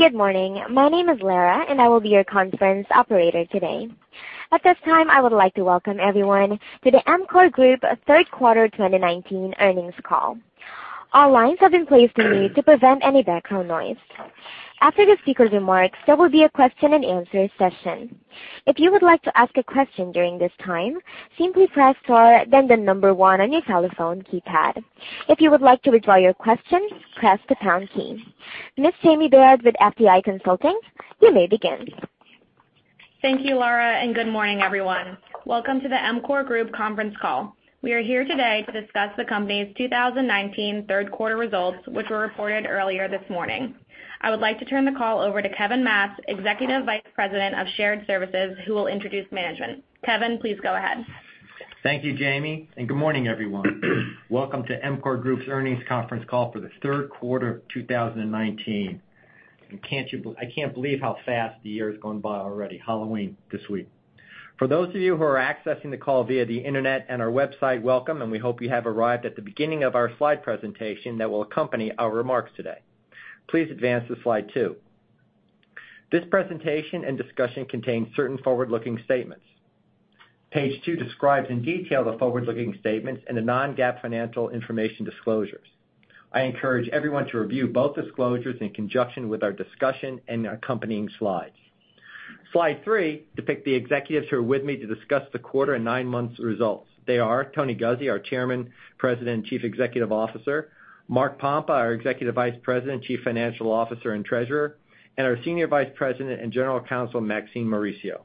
Good morning. My name is Lara, and I will be your conference operator today. At this time, I would like to welcome everyone to the EMCOR Group third quarter 2019 earnings call. All lines have been placed on mute to prevent any background noise. After the speaker remarks, there will be a question and answer session. If you would like to ask a question during this time, simply press star, then the number 1 on your telephone keypad. If you would like to withdraw your question, press the pound key. Ms. Jamie Baird with FTI Consulting, you may begin. Thank you, Lara. Good morning, everyone. Welcome to the EMCOR Group conference call. We are here today to discuss the company's 2019 third quarter results, which were reported earlier this morning. I would like to turn the call over to Kevin Matz, Executive Vice President of Shared Services, who will introduce management. Kevin, please go ahead. Thank you, Jamie. Good morning, everyone. Welcome to EMCOR Group's earnings conference call for the third quarter of 2019. I can't believe how fast the year has gone by already. Halloween this week. For those of you who are accessing the call via the internet and our website, welcome, and we hope you have arrived at the beginning of our slide presentation that will accompany our remarks today. Please advance to slide two. This presentation and discussion contain certain forward-looking statements. Page two describes in detail the forward-looking statements and the non-GAAP financial information disclosures. I encourage everyone to review both disclosures in conjunction with our discussion and accompanying slides. Slide three depicts the executives who are with me to discuss the quarter and nine months results. They are Tony Guzzi, our Chairman, President and Chief Executive Officer, Mark Pompa, our Executive Vice President, Chief Financial Officer, and Treasurer, and our Senior Vice President and General Counsel, Maxine Mauricio.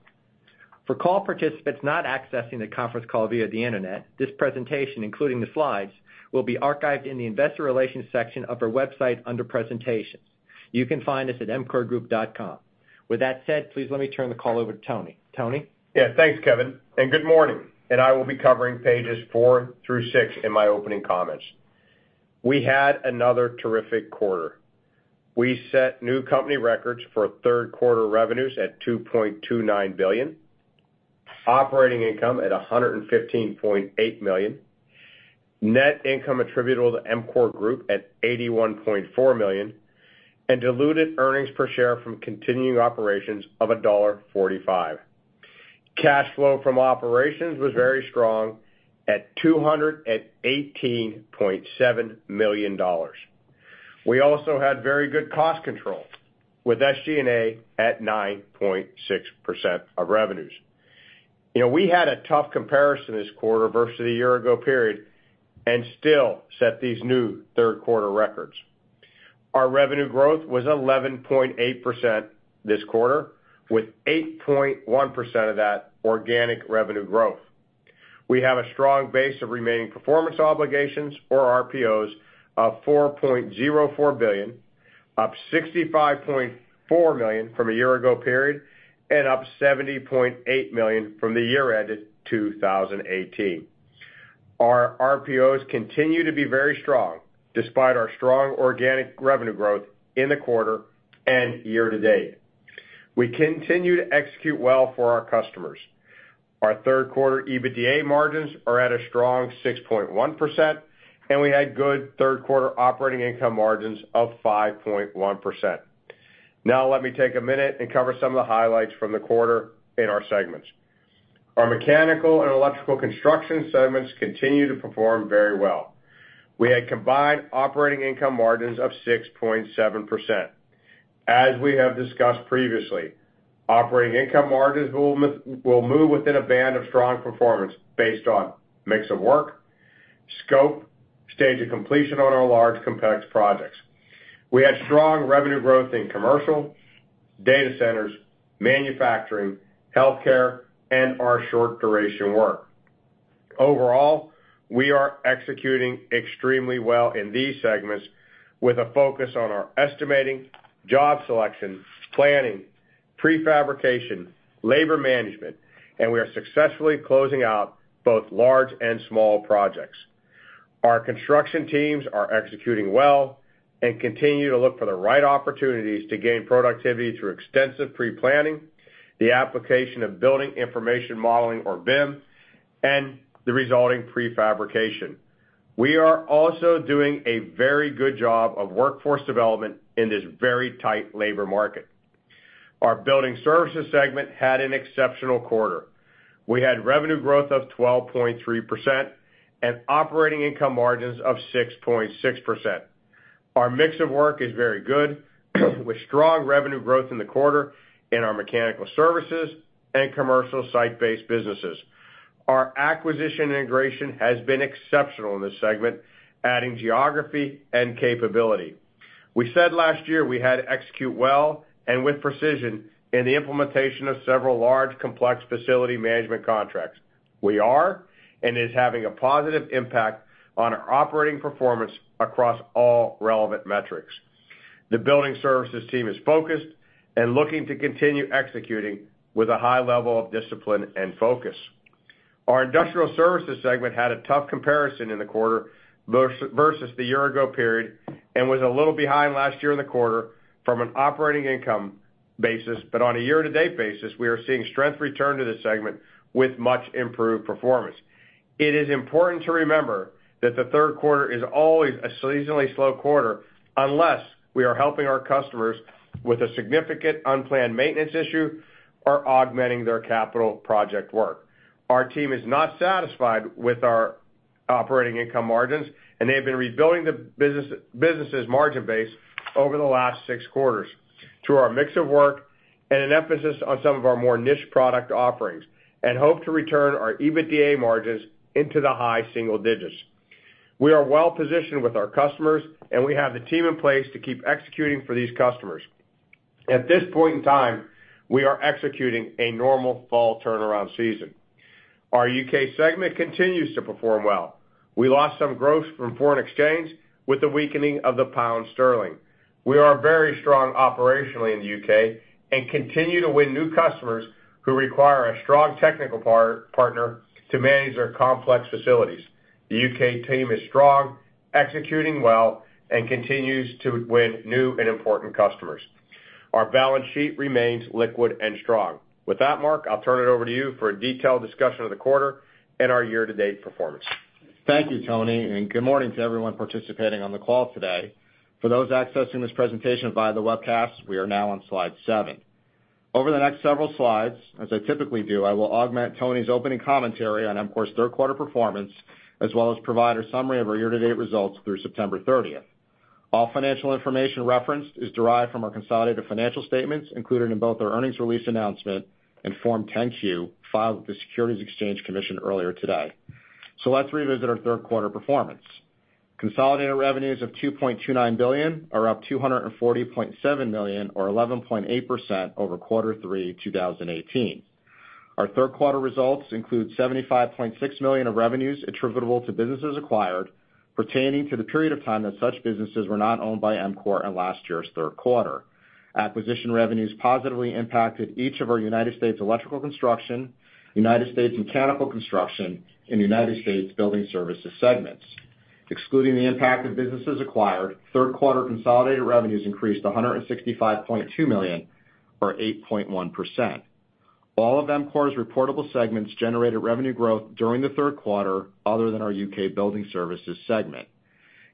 For call participants not accessing the conference call via the internet, this presentation, including the slides, will be archived in the investor relations section of our website under presentations. You can find us at emcorgroup.com. With that said, please let me turn the call over to Tony. Tony? Thanks, Kevin, good morning, I will be covering pages four through six in my opening comments. We had another terrific quarter. We set new company records for third quarter revenues at $2.29 billion, operating income at $115.8 million, net income attributable to EMCOR Group at $81.4 million, and diluted earnings per share from continuing operations of $1.45. Cash flow from operations was very strong at $218.7 million. We also had very good cost control, with SG&A at 9.6% of revenues. We had a tough comparison this quarter versus the year ago period and still set these new third quarter records. Our revenue growth was 11.8% this quarter, with 8.1% of that organic revenue growth. We have a strong base of remaining performance obligations, or RPOs, of $4.04 billion, up $65.4 million from a year ago period and up $70.8 million from the year ended 2018. Our RPOs continue to be very strong despite our strong organic revenue growth in the quarter and year to date. We continue to execute well for our customers. Our third quarter EBITDA margins are at a strong 6.1%, and we had good third quarter operating income margins of 5.1%. Now let me take a minute and cover some of the highlights from the quarter in our segments. Our mechanical and electrical construction segments continue to perform very well. We had combined operating income margins of 6.7%. As we have discussed previously, operating income margins will move within a band of strong performance based on mix of work, scope, stage of completion on our large complex projects. We had strong revenue growth in commercial, data centers, manufacturing, healthcare, and our short duration work. Overall, we are executing extremely well in these segments with a focus on our estimating, job selection, planning, prefabrication, labor management, and we are successfully closing out both large and small projects. Our construction teams are executing well and continue to look for the right opportunities to gain productivity through extensive pre-planning, the application of Building Information Modeling or BIM, and the resulting prefabrication. We are also doing a very good job of workforce development in this very tight labor market. Our Building Services segment had an exceptional quarter. We had revenue growth of 12.3% and operating income margins of 6.6%. Our mix of work is very good, with strong revenue growth in the quarter in our mechanical services and commercial site-based businesses. Our acquisition integration has been exceptional in this segment, adding geography and capability. We said last year we had to execute well and with precision in the implementation of several large, complex facility management contracts. We are, and it's having a positive impact on our operating performance across all relevant metrics. The Building Services team is focused and looking to continue executing with a high level of discipline and focus. Our Industrial Services segment had a tough comparison in the quarter versus the year ago period and was a little behind last year in the quarter from an operating income basis. On a year-to-date basis, we are seeing strength return to this segment with much improved performance. It is important to remember that the third quarter is always a seasonally slow quarter unless we are helping our customers with a significant unplanned maintenance issue or augmenting their capital project work. Our team is not satisfied with our operating income margins, and they have been rebuilding the business' margin base over the last six quarters through our mix of work and an emphasis on some of our more niche product offerings and hope to return our EBITDA margins into the high single digits. We are well-positioned with our customers, and we have the team in place to keep executing for these customers. At this point in time, we are executing a normal fall turnaround season. Our U.K. segment continues to perform well. We lost some growth from foreign exchange with the weakening of the pound sterling. We are very strong operationally in the U.K. and continue to win new customers who require a strong technical partner to manage their complex facilities. The U.K. team is strong, executing well, and continues to win new and important customers. Our balance sheet remains liquid and strong. With that, Mark, I'll turn it over to you for a detailed discussion of the quarter and our year-to-date performance. Thank you, Tony, and good morning to everyone participating on the call today. For those accessing this presentation via the webcast, we are now on slide seven. Over the next several slides, as I typically do, I will augment Tony's opening commentary on EMCOR's third quarter performance, as well as provide a summary of our year-to-date results through September 30th. All financial information referenced is derived from our consolidated financial statements, included in both our earnings release announcement and Form 10-Q filed with the Securities and Exchange Commission earlier today. Let's revisit our third quarter performance. Consolidated revenues of $2.29 billion are up $240.7 million, or 11.8% over quarter three 2018. Our third quarter results include $75.6 million of revenues attributable to businesses acquired pertaining to the period of time that such businesses were not owned by EMCOR in last year's third quarter. Acquisition revenues positively impacted each of our United States Electrical Construction, United States Mechanical Construction, and United States Building Services segments. Excluding the impact of businesses acquired, third quarter consolidated revenues increased to $165.2 million, or 8.1%. All of EMCOR's reportable segments generated revenue growth during the third quarter other than our U.K. Building Services segment.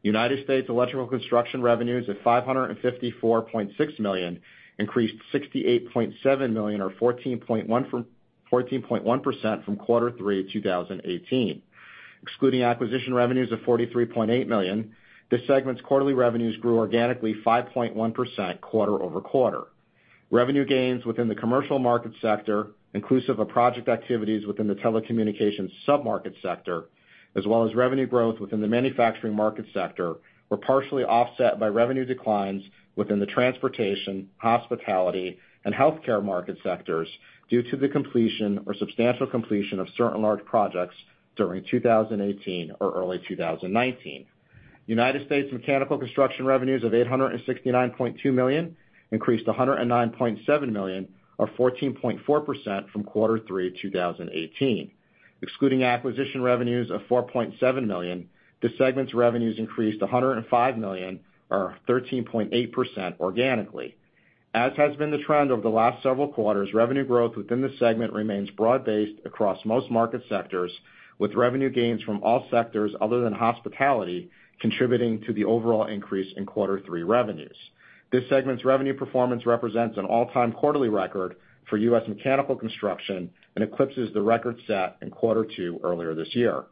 United States Electrical Construction revenues of $554.6 million increased $68.7 million, or 14.1% from quarter 3 2018. Excluding acquisition revenues of $43.8 million, this segment's quarterly revenues grew organically 5.1% quarter-over-quarter. Revenue gains within the commercial market sector, inclusive of project activities within the telecommunications sub-market sector, as well as revenue growth within the manufacturing market sector, were partially offset by revenue declines within the transportation, hospitality, and healthcare market sectors due to the completion or substantial completion of certain large projects during 2018 or early 2019. United States mechanical construction revenues of $869.2 million increased to $109.7 million, or 14.4% from quarter three 2018. Excluding acquisition revenues of $4.7 million, this segment's revenues increased to $105 million, or 13.8% organically. As has been the trend over the last several quarters, revenue growth within this segment remains broad-based across most market sectors, with revenue gains from all sectors other than hospitality contributing to the overall increase in quarter three revenues. This segment's revenue performance represents an all-time quarterly record for U.S. mechanical construction and eclipses the record set in quarter two earlier this year.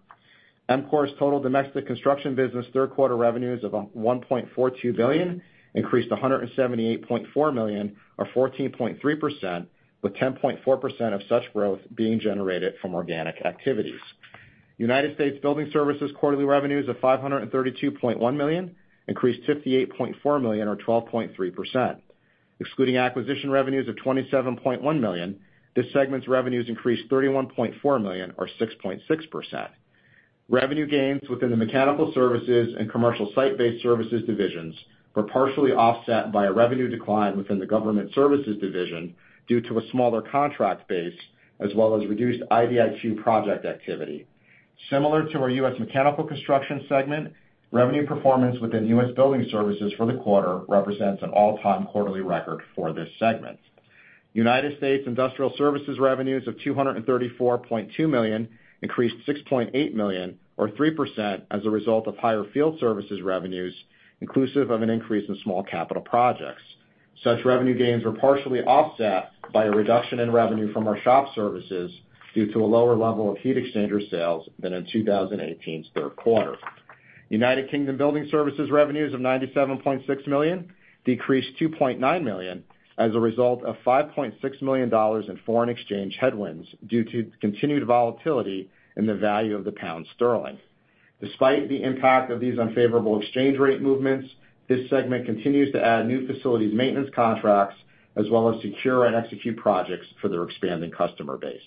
EMCOR's total domestic construction business third quarter revenues of $1.42 billion increased $178.4 million, or 14.3%, with 10.4% of such growth being generated from organic activities. United States building services quarterly revenues of $532.1 million increased $58.4 million or 12.3%. Excluding acquisition revenues of $27.1 million, this segment's revenues increased $31.4 million or 6.6%. Revenue gains within the Mechanical Services and Commercial Site-Based Services divisions were partially offset by a revenue decline within the Government Services division due to a smaller contract base as well as reduced IDIQ project activity. Similar to our US Mechanical Construction segment, revenue performance within US Building Services for the quarter represents an all-time quarterly record for this segment. United States Industrial Services revenues of $234.2 million increased $6.8 million or 3% as a result of higher field services revenues inclusive of an increase in small capital projects. Such revenue gains were partially offset by a reduction in revenue from our shop services due to a lower level of heat exchanger sales than in 2018's third quarter. United Kingdom building services revenues of $97.6 million decreased $2.9 million as a result of $5.6 million in foreign exchange headwinds due to continued volatility in the value of the pound sterling. Despite the impact of these unfavorable exchange rate movements, this segment continues to add new facilities maintenance contracts, as well as secure and execute projects for their expanding customer base.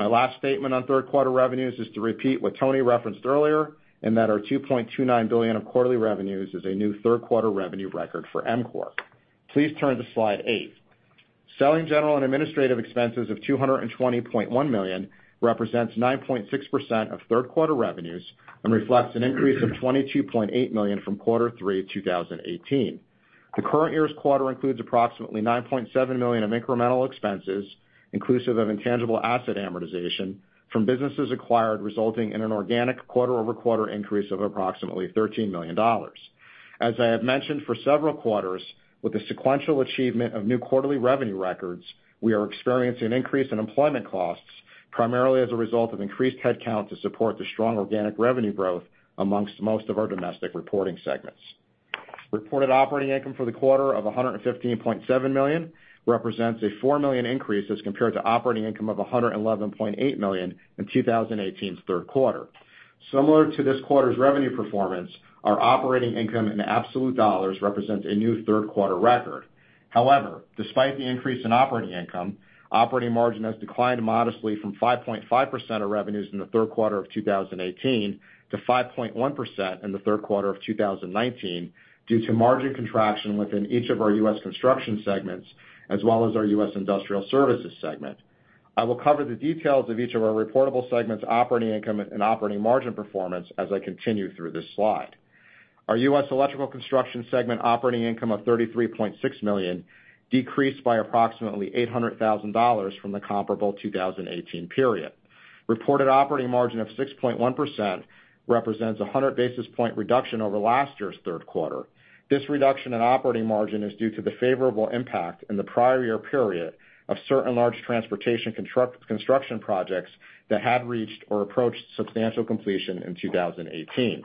My last statement on third-quarter revenues is to repeat what Tony referenced earlier, and that our $2.29 billion of quarterly revenues is a new third-quarter revenue record for EMCOR. Please turn to slide eight. Selling, general, and administrative expenses of $220.1 million represents 9.6% of third-quarter revenues and reflects an increase of $22.8 million from quarter three 2018. The current year's quarter includes approximately $9.7 million of incremental expenses, inclusive of intangible asset amortization from businesses acquired, resulting in an organic quarter-over-quarter increase of approximately $13 million. As I have mentioned for several quarters, with the sequential achievement of new quarterly revenue records, we are experiencing an increase in employment costs, primarily as a result of increased headcount to support the strong organic revenue growth amongst most of our domestic reporting segments. Reported operating income for the quarter of $115.7 million represents a $4 million increase as compared to operating income of $111.8 million in 2018's third quarter. Similar to this quarter's revenue performance, our operating income in absolute dollars represents a new third quarter record. Despite the increase in operating income, operating margin has declined modestly from 5.5% of revenues in the third quarter of 2018 to 5.1% in the third quarter of 2019, due to margin contraction within each of our U.S. construction segments, as well as our U.S. industrial services segment. I will cover the details of each of our reportable segments' operating income and operating margin performance as I continue through this slide. Our U.S. electrical construction segment operating income of $33.6 million decreased by approximately $800,000 from the comparable 2018 period. Reported operating margin of 6.1% represents 100 basis point reduction over last year's third quarter. This reduction in operating margin is due to the favorable impact in the prior year period of certain large transportation construction projects that had reached or approached substantial completion in 2018.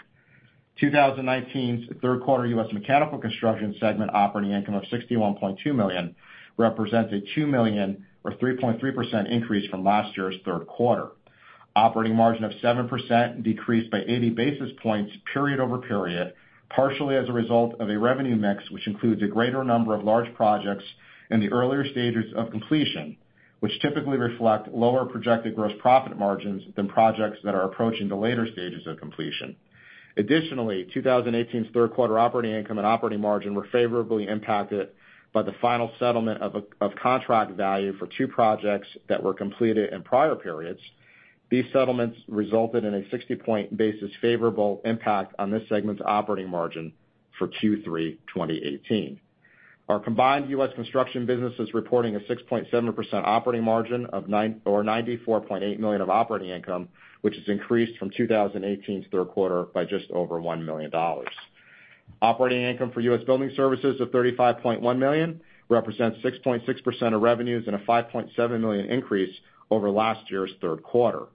2019's third quarter U.S. mechanical construction segment operating income of $61.2 million represents a $2 million or 3.3% increase from last year's third quarter. Operating margin of 7% decreased by 80 basis points period over period, partially as a result of a revenue mix, which includes a greater number of large projects in the earlier stages of completion, which typically reflect lower projected gross profit margins than projects that are approaching the later stages of completion. Additionally, 2018's third quarter operating income and operating margin were favorably impacted by the final settlement of contract value for two projects that were completed in prior periods. These settlements resulted in a 60 basis points favorable impact on this segment's operating margin for Q3 2018. Our combined U.S. construction business is reporting a 6.7% operating margin or $94.8 million of operating income, which has increased from 2018's third quarter by just over $1 million. Operating income for U.S. building services of $35.1 million represents 6.6% of revenues and a $5.7 million increase over last year's third quarter.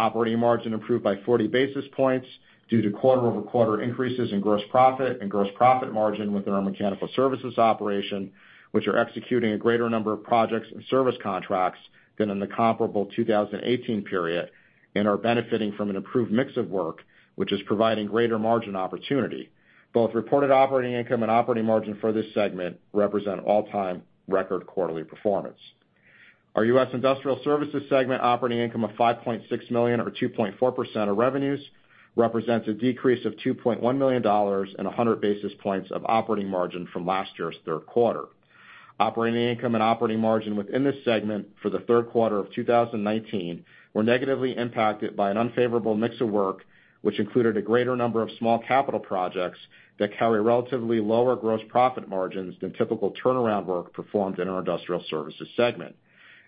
Operating margin improved by 40 basis points due to quarter-over-quarter increases in gross profit and gross profit margin within our Mechanical Services operation, which are executing a greater number of projects and service contracts than in the comparable 2018 period, and are benefiting from an improved mix of work, which is providing greater margin opportunity. Both reported operating income and operating margin for this segment represent all-time record quarterly performance. Our U.S. Industrial Services segment operating income of $5.6 million or 2.4% of revenues represents a decrease of $2.1 million and 100 basis points of operating margin from last year's third quarter. Operating income and operating margin within this segment for the third quarter of 2019 were negatively impacted by an unfavorable mix of work, which included a greater number of small capital projects that carry relatively lower gross profit margins than typical turnaround work performed in our industrial services segment.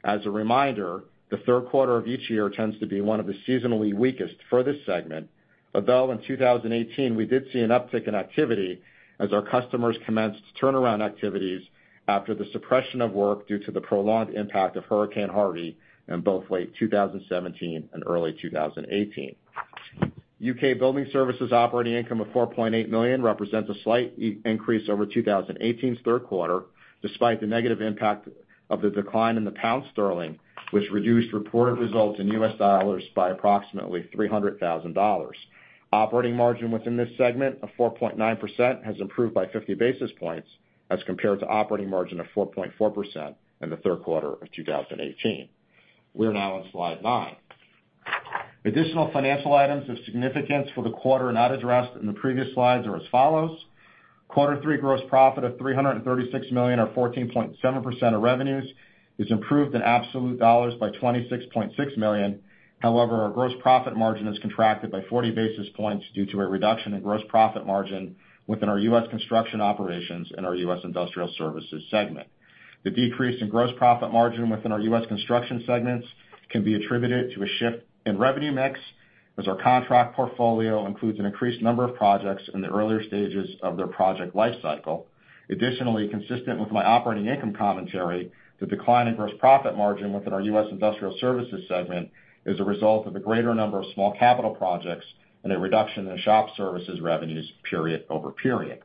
As a reminder, the third quarter of each year tends to be one of the seasonally weakest for this segment, although in 2018, we did see an uptick in activity as our customers commenced turnaround activities after the suppression of work due to the prolonged impact of Hurricane Harvey in both late 2017 and early 2018. U.K. building services operating income of $4.8 million represents a slight increase over 2018's third quarter, despite the negative impact of the decline in the pound sterling, which reduced reported results in US dollars by approximately $300,000. Operating margin within this segment of 4.9% has improved by 50 basis points as compared to operating margin of 4.4% in the third quarter of 2018. We are now on slide nine. Additional financial items of significance for the quarter not addressed in the previous slides are as follows. Quarter three gross profit of $336 million or 14.7% of revenues is improved in absolute dollars by $26.6 million. Our gross profit margin has contracted by 40 basis points due to a reduction in gross profit margin within our U.S. construction operations and our U.S. industrial services segment. The decrease in gross profit margin within our U.S. construction segments can be attributed to a shift in revenue mix, as our contract portfolio includes an increased number of projects in the earlier stages of their project life cycle. Additionally, consistent with my operating income commentary, the decline in gross profit margin within our U.S. industrial services segment is a result of a greater number of small capital projects and a reduction in shop services revenues period-over-period.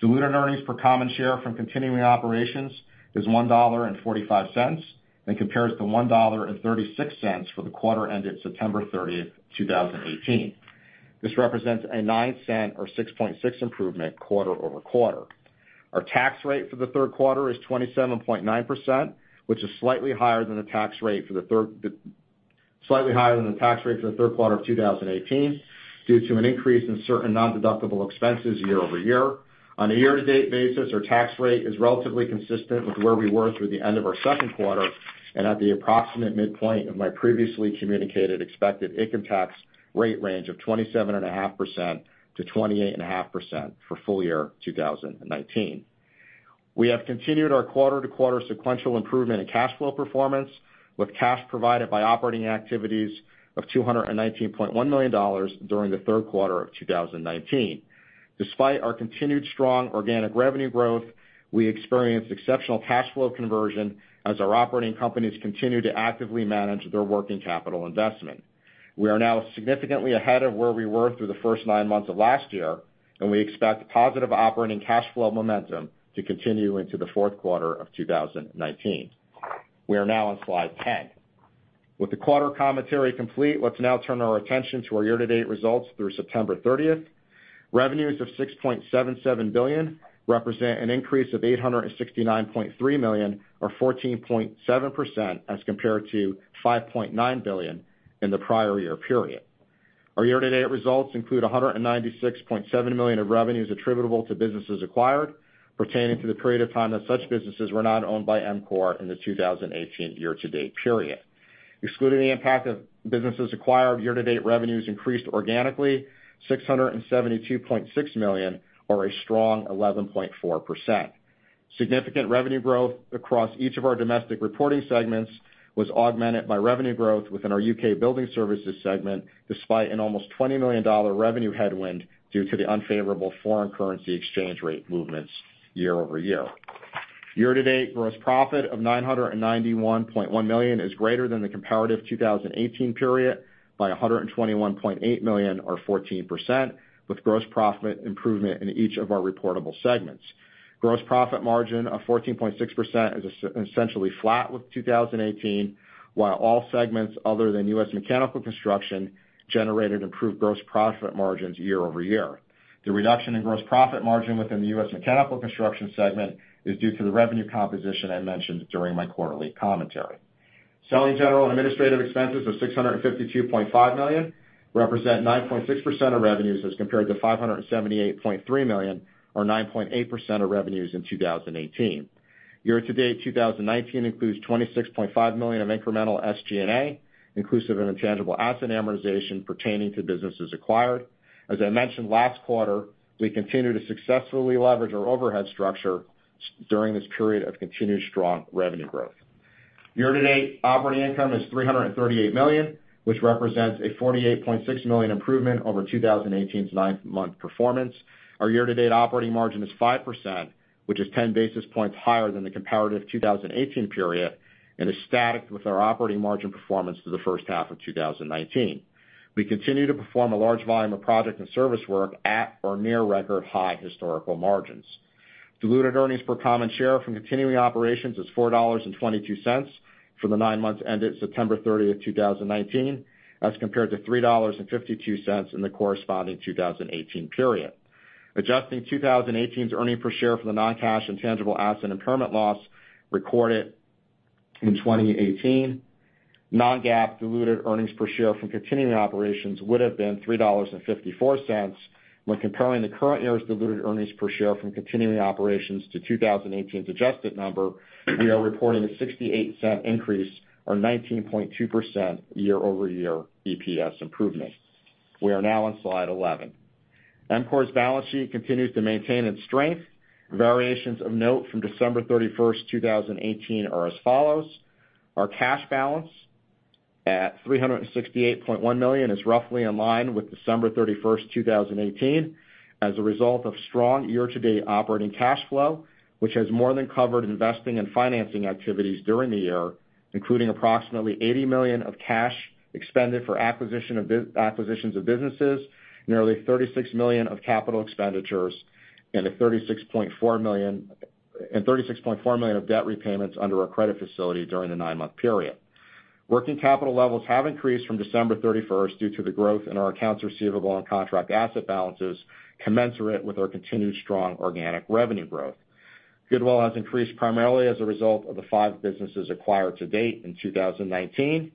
Diluted earnings per common share from continuing operations is $1.45 and compares to $1.36 for the quarter ended September 30th, 2018. This represents a $0.09 or 6.6% improvement quarter-over-quarter. Our tax rate for the third quarter is 27.9%, which is slightly higher than the tax rate for the third quarter of 2018 due to an increase in certain non-deductible expenses year-over-year. On a year-to-date basis, our tax rate is relatively consistent with where we were through the end of our second quarter and at the approximate midpoint of my previously communicated expected income tax rate range of 27.5%-28.5% for full year 2019. We have continued our quarter-to-quarter sequential improvement in cash flow performance with cash provided by operating activities of $219.1 million during the third quarter of 2019. Despite our continued strong organic revenue growth, we experienced exceptional cash flow conversion as our operating companies continue to actively manage their working capital investment. We are now significantly ahead of where we were through the first nine months of last year, and we expect positive operating cash flow momentum to continue into the fourth quarter of 2019. We are now on slide 10. With the quarter commentary complete, let's now turn our attention to our year-to-date results through September 30th. Revenues of $6.77 billion represent an increase of $869.3 million or 14.7% as compared to $5.9 billion in the prior year period. Our year-to-date results include $196.7 million of revenues attributable to businesses acquired pertaining to the period of time that such businesses were not owned by EMCOR in the 2018 year-to-date period. Excluding the impact of businesses acquired, year-to-date revenues increased organically $672.6 million or a strong 11.4%. Significant revenue growth across each of our domestic reporting segments was augmented by revenue growth within our U.K. Building Services segment, despite an almost $20 million revenue headwind due to the unfavorable foreign currency exchange rate movements year-over-year. Year-to-date gross profit of $991.1 million is greater than the comparative 2018 period by $121.8 million or 14%, with gross profit improvement in each of our reportable segments. Gross profit margin of 14.6% is essentially flat with 2018, while all segments other than U.S. Mechanical Construction generated improved gross profit margins year-over-year. The reduction in gross profit margin within the U.S. Mechanical Construction segment is due to the revenue composition I mentioned during my quarterly commentary. Selling general and administrative expenses of $652.5 million represent 9.6% of revenues as compared to $578.3 million or 9.8% of revenues in 2018. Year-to-date 2019 includes $26.5 million of incremental SG&A inclusive and intangible asset amortization pertaining to businesses acquired. As I mentioned last quarter, we continue to successfully leverage our overhead structure during this period of continued strong revenue growth. Year-to-date operating income is $338 million, which represents a $48.6 million improvement over 2018's nine-month performance. Our year-to-date operating margin is 5%, which is 10 basis points higher than the comparative 2018 period and is static with our operating margin performance for the first half of 2019. We continue to perform a large volume of project and service work at or near record high historical margins. Diluted earnings per common share from continuing operations is $4.22 for the nine months ended September 30th, 2019, as compared to $3.52 in the corresponding 2018 period. Adjusting 2018's earnings per share for the non-cash intangible asset impairment loss recorded in 2018, non-GAAP diluted earnings per share from continuing operations would've been $3.54. When comparing the current year's diluted earnings per share from continuing operations to 2018's adjusted number, we are reporting a $0.68 increase or 19.2% year-over-year EPS improvement. We are now on slide 11. EMCOR's balance sheet continues to maintain its strength. Variations of note from December 31st, 2018 are as follows. Our cash balance at $368.1 million is roughly in line with December 31st, 2018 as a result of strong year-to-date operating cash flow, which has more than covered investing and financing activities during the year, including approximately $80 million of cash expended for acquisitions of businesses, nearly $36 million of capital expenditures and $36.4 million of debt repayments under our credit facility during the nine-month period. Working capital levels have increased from December 31st due to the growth in our accounts receivable and contract asset balances commensurate with our continued strong organic revenue growth. Goodwill has increased primarily as a result of the five businesses acquired to date in 2019.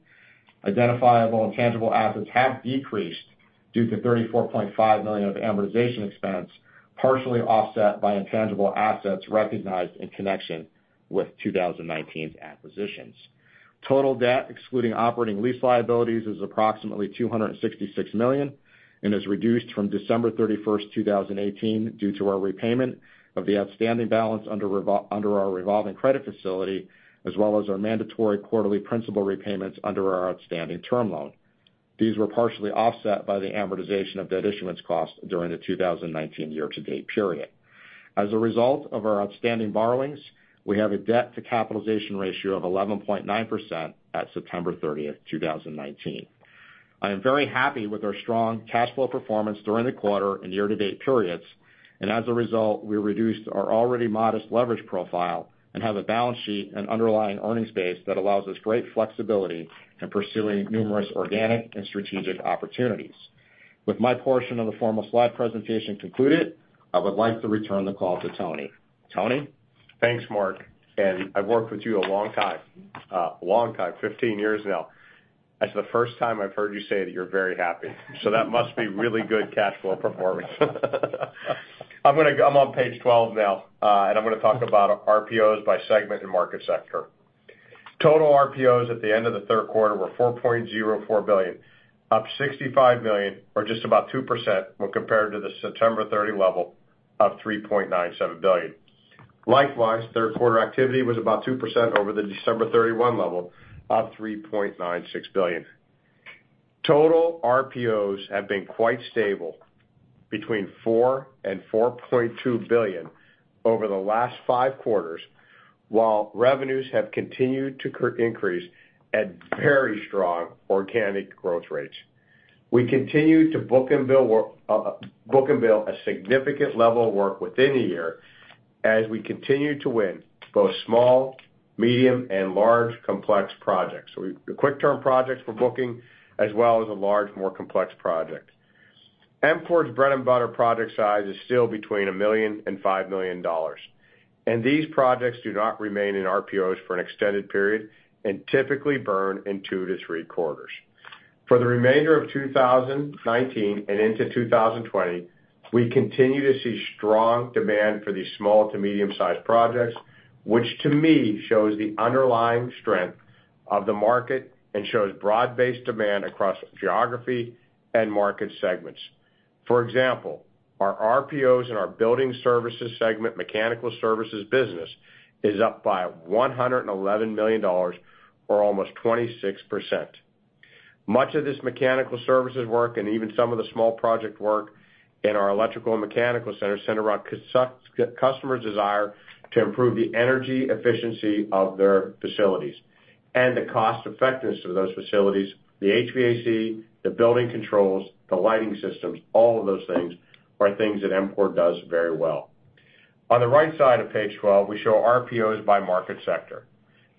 Identifiable intangible assets have decreased due to $34.5 million of amortization expense, partially offset by intangible assets recognized in connection with 2019's acquisitions. Total debt excluding operating lease liabilities is approximately $266 million and is reduced from December 31st, 2018 due to our repayment of the outstanding balance under our revolving credit facility, as well as our mandatory quarterly principal repayments under our outstanding term loan. These were partially offset by the amortization of debt issuance costs during the 2019 year-to-date period. As a result of our outstanding borrowings, we have a debt to capitalization ratio of 11.9% at September 30th, 2019. I am very happy with our strong cash flow performance during the quarter and year-to-date periods, and as a result, we reduced our already modest leverage profile and have a balance sheet and underlying earnings base that allows us great flexibility in pursuing numerous organic and strategic opportunities. With my portion of the formal slide presentation concluded, I would like to return the call to Tony. Tony? I've worked with you a long time. A long time, 15 years now. That's the first time I've heard you say that you're very happy. That must be really good cash flow performance. I'm on page 12 now. I'm going to talk about RPOs by segment and market sector. Total RPOs at the end of the third quarter were $4.04 billion, up $65 million or just about 2% when compared to the September 30 level of $3.97 billion. Likewise, third quarter activity was about 2% over the December 31 level of $3.96 billion. Total RPOs have been quite stable between $4 and $4.2 billion over the last five quarters, while revenues have continued to increase at very strong organic growth rates. We continue to book and bill a significant level of work within a year as we continue to win both small, medium and large complex projects, the quick term projects we're booking as well as the large more complex project. EMCOR's bread and butter project size is still between $1 million and $5 million and these projects do not remain in RPOs for an extended period and typically burn in two to three quarters. For the remainder of 2019 and into 2020, we continue to see strong demand for these small to medium sized projects, which to me shows the underlying strength of the market and shows broad based demand across geography and market segments. For example, our RPOs in our building services segment, mechanical services business is up by $111 million or almost 26%. Much of this mechanical services work and even some of the small project work in our electrical and mechanical center around customer's desire to improve the energy efficiency of their facilities and the cost effectiveness of those facilities. The HVAC, the building controls, the lighting systems, all of those things are things that EMCOR does very well. On the right side of page 12, we show RPOs by market sector.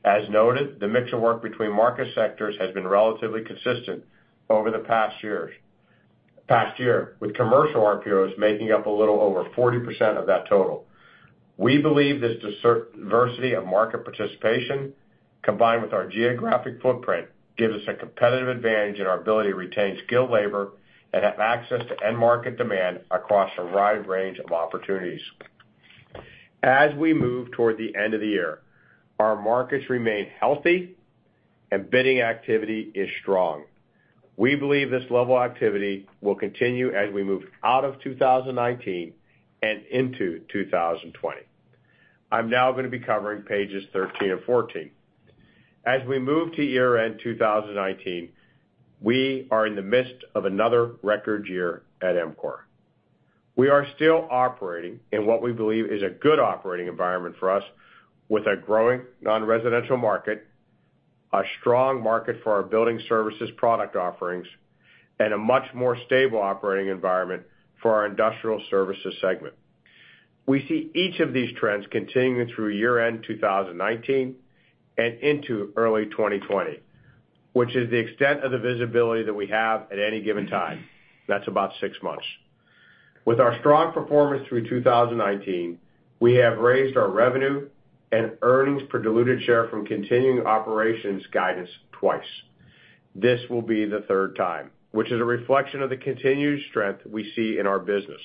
As noted, the mix of work between market sectors has been relatively consistent over the past year, with commercial RPOs making up a little over 40% of that total. We believe this diversity of market participation combined with our geographic footprint gives us a competitive advantage in our ability to retain skilled labor and have access to end market demand across a wide range of opportunities. As we move toward the end of the year, our markets remain healthy and bidding activity is strong. We believe this level of activity will continue as we move out of 2019 and into 2020. I'm now going to be covering pages 13 and 14. As we move to year end 2019, we are in the midst of another record year at EMCOR. We are still operating in what we believe is a good operating environment for us with a growing nonresidential market, a strong market for our building services product offerings and a much more stable operating environment for our industrial services segment. We see each of these trends continuing through year end 2019 and into early 2020, which is the extent of the visibility that we have at any given time. That's about six months. With our strong performance through 2019, we have raised our revenue and earnings per diluted share from continuing operations guidance twice. This will be the third time, which is a reflection of the continued strength we see in our business.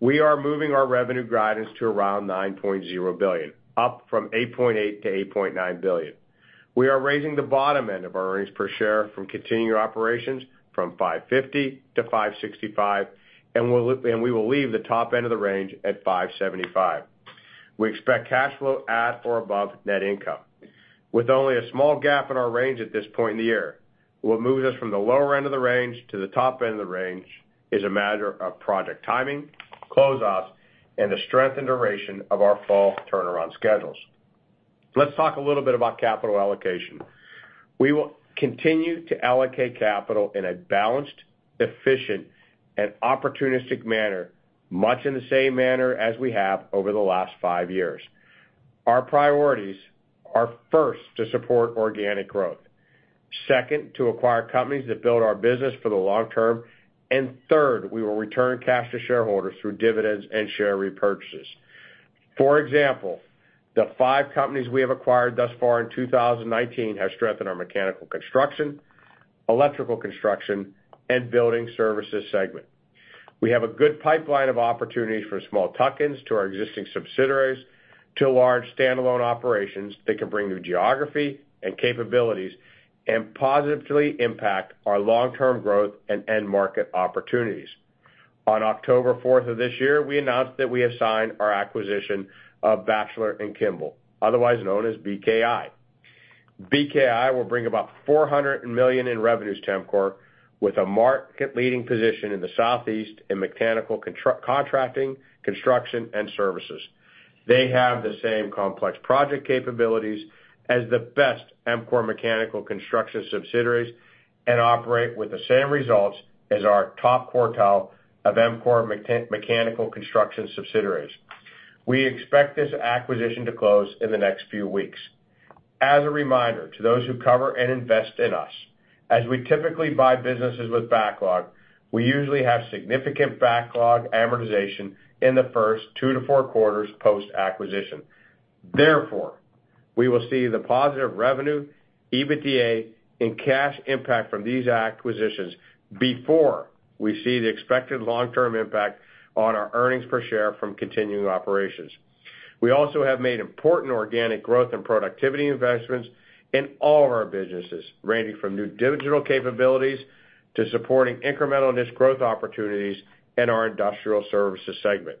We are moving our revenue guidance to around $9.0 billion, up from $8.8 billion-$8.9 billion. We are raising the bottom end of our earnings per share from continuing operations from $5.50 to $5.65 and we will leave the top end of the range at $5.75. We expect cash flow at or above net income. With only a small gap in our range at this point in the year, what moves us from the lower end of the range to the top end of the range is a matter of project timing, closeouts and the strength and duration of our fall turnaround schedules. Let's talk a little bit about capital allocation. We will continue to allocate capital in a balanced, efficient and opportunistic manner, much in the same manner as we have over the last five years. Our priorities are first to support organic growth, second, to acquire companies that build our business for the long term and third, we will return cash to shareholders through dividends and share repurchases. For example, the five companies we have acquired thus far in 2019 have strengthened our mechanical construction, electrical construction and building services segment. We have a good pipeline of opportunities from small tuck ins to our existing subsidiaries to large standalone operations that can bring new geography and capabilities and positively impact our long term growth and end market opportunities. On October 4th of this year, we announced that we have signed our acquisition of Batchelor & Kimball, otherwise known as BKI. BKI will bring about $400 million in revenues to EMCOR with a market leading position in the Southeast in mechanical contracting, construction and services. They have the same complex project capabilities as the best EMCOR mechanical construction subsidiaries and operate with the same results as our top quartile of EMCOR mechanical construction subsidiaries. We expect this acquisition to close in the next few weeks. As a reminder to those who cover and invest in us, as we typically buy businesses with backlog, we usually have significant backlog amortization in the first two to four quarters post acquisition. Therefore, we will see the positive revenue, EBITDA and cash impact from these acquisitions before we see the expected long term impact on our earnings per share from continuing operations. We also have made important organic growth and productivity investments in all of our businesses, ranging from new digital capabilities to supporting incremental niche growth opportunities in our industrial services segment.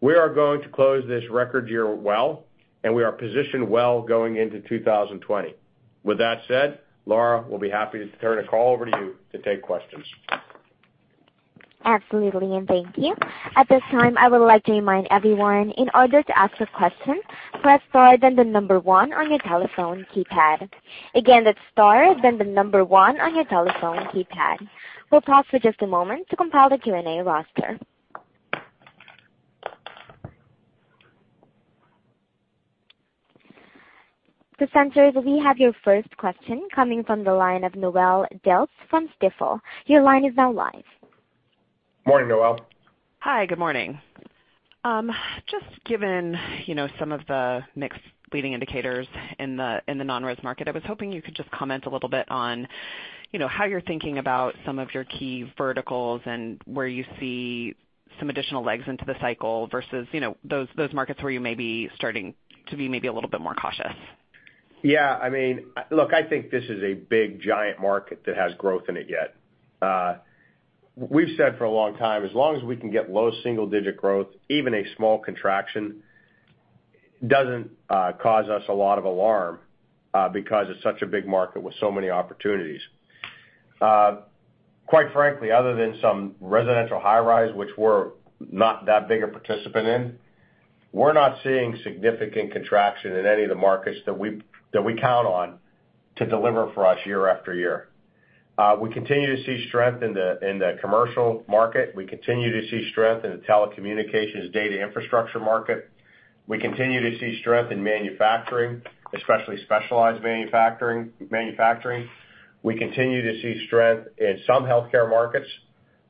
We are going to close this record year well, and we are positioned well going into 2020. With that said, Lara will be happy to turn the call over to you to take questions. Absolutely. Thank you. At this time, I would like to remind everyone, in order to ask a question, press star, then the number one on your telephone keypad. Again, that's star, then the number one on your telephone keypad. We'll pause for just a moment to compile the Q&A roster. Presenters, we have your first question coming from the line of Noelle Dilts from Stifel. Your line is now live. Morning, Noelle. Hi. Good morning. Just given some of the mixed leading indicators in the nonres market, I was hoping you could just comment a little bit on how you're thinking about some of your key verticals and where you see some additional legs into the cycle versus those markets where you may be starting to be maybe a little bit more cautious. Look, I think this is a big, giant market that has growth in it yet. We've said for a long time, as long as we can get low single-digit growth, even a small contraction doesn't cause us a lot of alarm, because it's such a big market with so many opportunities. Quite frankly, other than some residential high-rise, which we're not that big a participant in, we're not seeing significant contraction in any of the markets that we count on to deliver for us year after year. We continue to see strength in the commercial market. We continue to see strength in the telecommunications data infrastructure market. We continue to see strength in manufacturing, especially specialized manufacturing. We continue to see strength in some healthcare markets.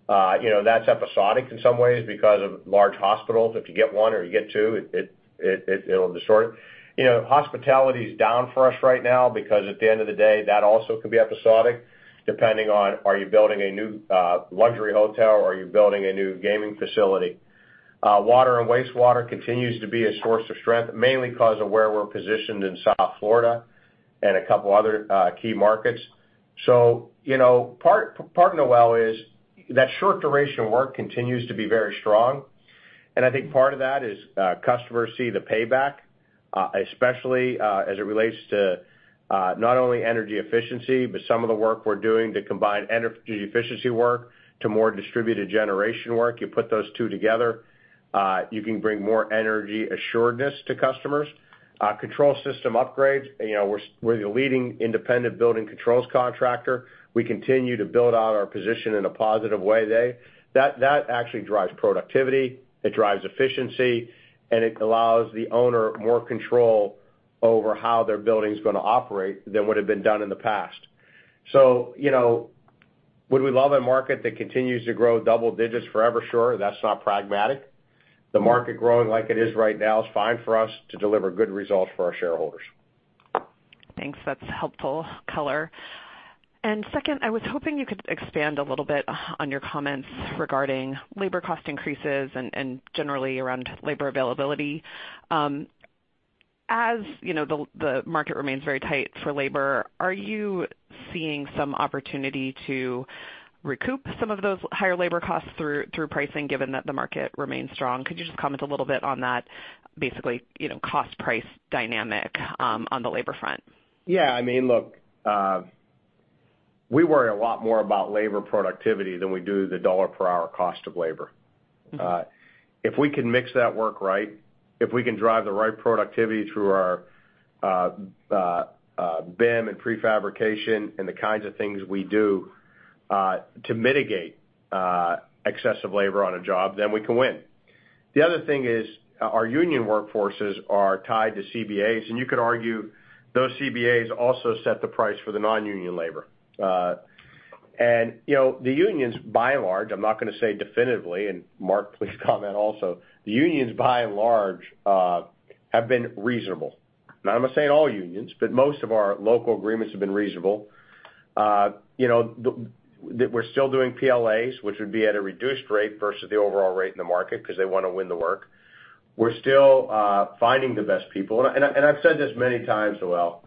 That's episodic in some ways because of large hospitals. If you get one or you get two, it'll distort it. Hospitality is down for us right now because at the end of the day, that also could be episodic, depending on, are you building a new luxury hotel or are you building a new gaming facility? Water and wastewater continues to be a source of strength, mainly because of where we're positioned in South Florida and a couple other key markets. Part, Noelle Dilts, is that short-duration work continues to be very strong, and I think part of that is customers see the payback, especially as it relates to not only energy efficiency, but some of the work we're doing to combine energy efficiency work to more distributed generation work. You put those two together, you can bring more energy assuredness to customers. Control system upgrades. We're the leading independent building controls contractor. We continue to build out our position in a positive way there. That actually drives productivity, it drives efficiency, and it allows the owner more control over how their building's going to operate than would've been done in the past. Would we love a market that continues to grow double digits forever? Sure. That's not pragmatic. The market growing like it is right now is fine for us to deliver good results for our shareholders. Thanks. That's helpful color. Second, I was hoping you could expand a little bit on your comments regarding labor cost increases and generally around labor availability. As the market remains very tight for labor, are you seeing some opportunity to recoup some of those higher labor costs through pricing, given that the market remains strong? Could you just comment a little bit on that basically, cost-price dynamic on the labor front? Yeah. Look, we worry a lot more about labor productivity than we do the dollar per hour cost of labor. If we can mix that work right, if we can drive the right productivity through our BIM and prefabrication and the kinds of things we do to mitigate excessive labor on a job, then we can win. The other thing is our union workforces are tied to CBAs, and you could argue those CBAs also set the price for the non-union labor. The unions, by and large, I'm not going to say definitively, and Mark, please comment also, the unions, by and large, have been reasonable. Now, I'm not saying all unions, but most of our local agreements have been reasonable. That we're still doing PLAs, which would be at a reduced rate versus the overall rate in the market because they want to win the work. We're still finding the best people. I've said this many times, Noelle,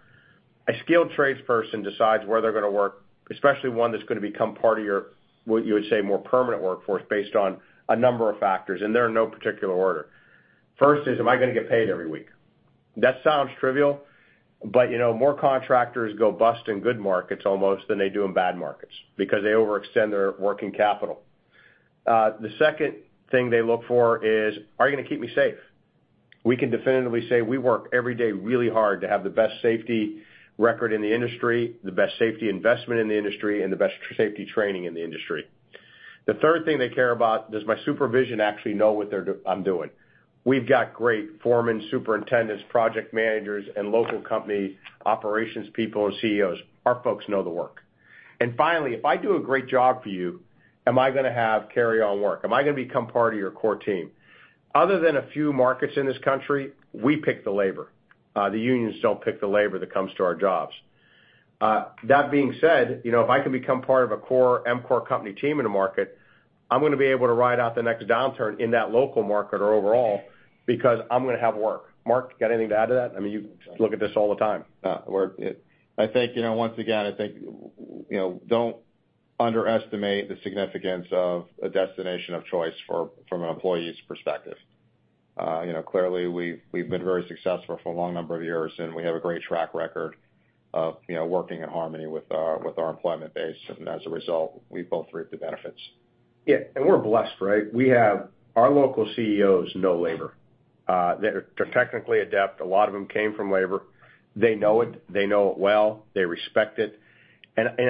a skilled tradesperson decides where they're going to work, especially one that's going to become part of your, what you would say, more permanent workforce based on a number of factors, and they're are in no particular order. First is, am I going to get paid every week? That sounds trivial, but more contractors go bust in good markets almost than they do in bad markets because they overextend their working capital. The second thing they look for is, are you going to keep me safe? We can definitively say we work every day really hard to have the best safety record in the industry, the best safety investment in the industry, and the best safety training in the industry. The third thing they care about, does my supervision actually know what I'm doing? We've got great foremen, superintendents, project managers, and local company operations people and CEOs. Our folks know the work. Finally, if I do a great job for you, am I going to have carry-on work? Am I going to become part of your core team? Other than a few markets in this country, we pick the labor. The unions don't pick the labor that comes to our jobs. That being said, if I can become part of a core EMCOR company team in the market, I'm going to be able to ride out the next downturn in that local market or overall, because I'm going to have work. Mark, got anything to add to that? You look at this all the time. Once again, I think don't underestimate the significance of a destination of choice from an employee's perspective. Clearly, we've been very successful for a long number of years, we have a great track record of working in harmony with our employment base. As a result, we both reap the benefits. Yeah. We're blessed, right? Our local CEOs know labor. They're technically adept. A lot of them came from labor. They know it, they know it well, they respect it.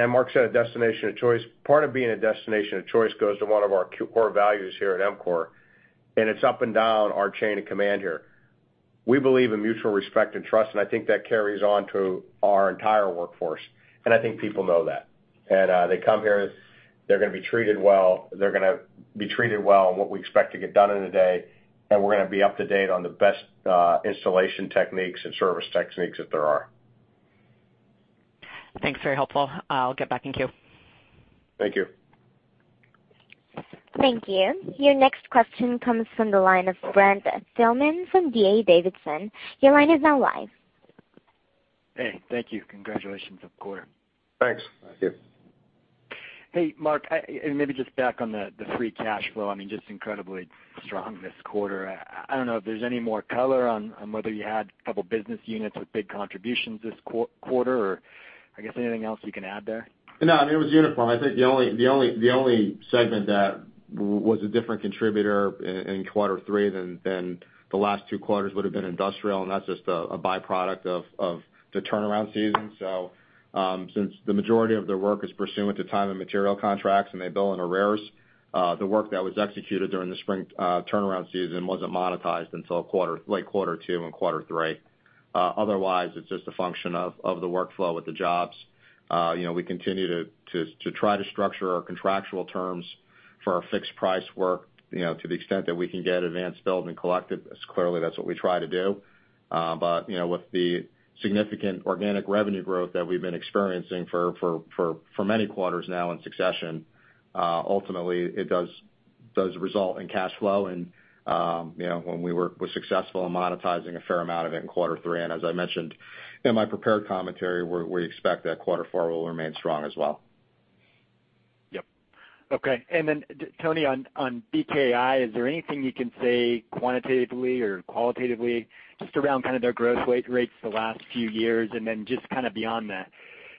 Mark said a destination of choice. Part of being a destination of choice goes to one of our core values here at EMCOR, and it's up and down our chain of command here. We believe in mutual respect and trust, and I think that carries on to our entire workforce. I think people know that. They come here, they're going to be treated well on what we expect to get done in a day, and we're going to be up to date on the best installation techniques and service techniques that there are. Thanks, very helpful. I'll get back in queue. Thank you. Thank you. Your next question comes from the line of Brent Thielman from D.A. Davidson. Your line is now live. Hey, thank you. Congratulations on the quarter. Thanks. Thank you. Hey, Mark, maybe just back on the free cash flow, just incredibly strong this quarter. I don't know if there's any more color on whether you had a couple business units with big contributions this quarter, or I guess anything else you can add there? No, it was uniform. I think the only segment that was a different contributor in quarter three than the last two quarters would have been industrial, and that's just a byproduct of the turnaround season. Since the majority of their work is pursuant to time and material contracts and they bill in arrears, the work that was executed during the spring turnaround season wasn't monetized until late quarter two and quarter three. Otherwise, it's just a function of the workflow with the jobs. We continue to try to structure our contractual terms for our fixed price work to the extent that we can get advanced billed and collected. Clearly, that's what we try to do. With the significant organic revenue growth that we've been experiencing for many quarters now in succession, ultimately it does result in cash flow and when we're successful in monetizing a fair amount of it in quarter three. As I mentioned in my prepared commentary, we expect that quarter four will remain strong as well. Yep. Okay. Tony, on BKI, is there anything you can say quantitatively or qualitatively just around kind of their growth rates the last few years and then just kind of beyond that,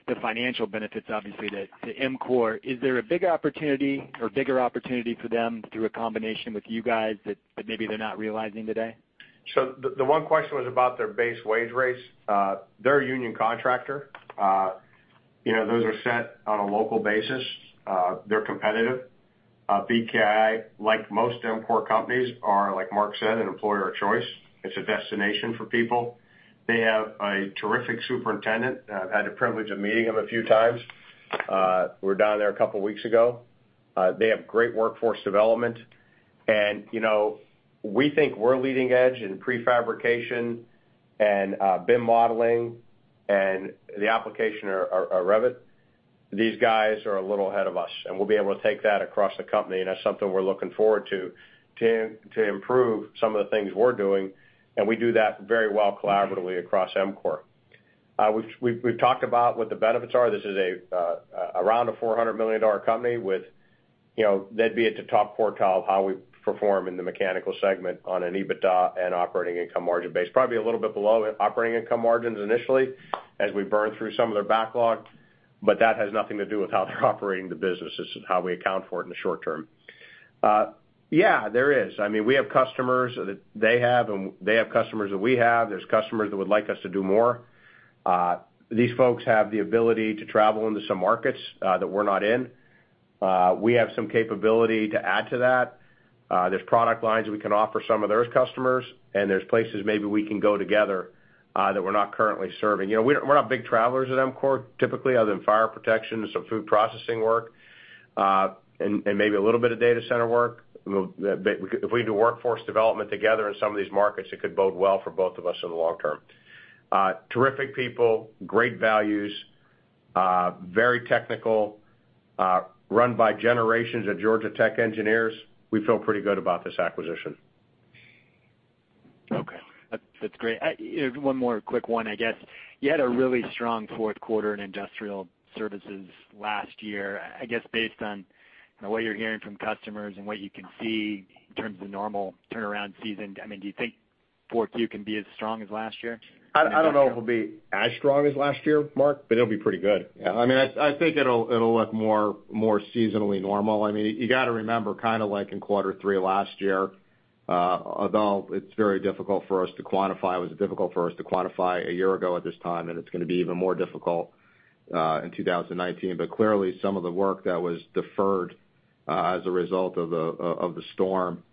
the financial benefits, obviously, to EMCOR. Is there a big opportunity or bigger opportunity for them through a combination with you guys that maybe they're not realizing today? The one question was about their base wage rates. They're a union contractor. Those are set on a local basis. They're competitive. BKI, like most EMCOR companies, are, like Mark said, an employer of choice. It's a destination for people. They have a terrific superintendent. I've had the privilege of meeting him a few times. We were down there a couple of weeks ago. They have great workforce development. We think we're leading edge in prefabrication and BIM modeling and the application of Revit. These guys are a little ahead of us, and we'll be able to take that across the company, and that's something we're looking forward to improve some of the things we're doing, and we do that very well collaboratively across EMCOR. We've talked about what the benefits are. This is around a $400 million company with, they'd be at the top quartile of how we perform in the mechanical segment on an EBITDA and operating income margin base. Probably a little bit below operating income margins initially as we burn through some of their backlog. That has nothing to do with how they're operating the business. This is how we account for it in the short term. Yeah, there is. We have customers that they have. They have customers that we have. There's customers that would like us to do more. These folks have the ability to travel into some markets that we're not in. We have some capability to add to that. There's product lines we can offer some of those customers. There's places maybe we can go together that we're not currently serving. We're not big travelers at EMCOR, typically, other than fire protection and some food processing work, and maybe a little bit of data center work. If we can do workforce development together in some of these markets, it could bode well for both of us in the long term. Terrific people, great values, very technical, run by generations of Georgia Tech engineers. We feel pretty good about this acquisition. Okay. That's great. One more quick one, I guess. You had a really strong fourth quarter in Industrial Services last year. I guess based on what you're hearing from customers and what you can see in terms of normal turnaround season, do you think fourth Q can be as strong as last year? I don't know if it'll be as strong as last year, Mark, but it'll be pretty good. Yeah, I think it'll look more seasonally normal. You got to remember, kind of like in quarter three of last year, although it's very difficult for us to quantify, it was difficult for us to quantify a year ago at this time, and it's going to be even more difficult in 2019. Clearly, some of the work that was deferred as a result of the storm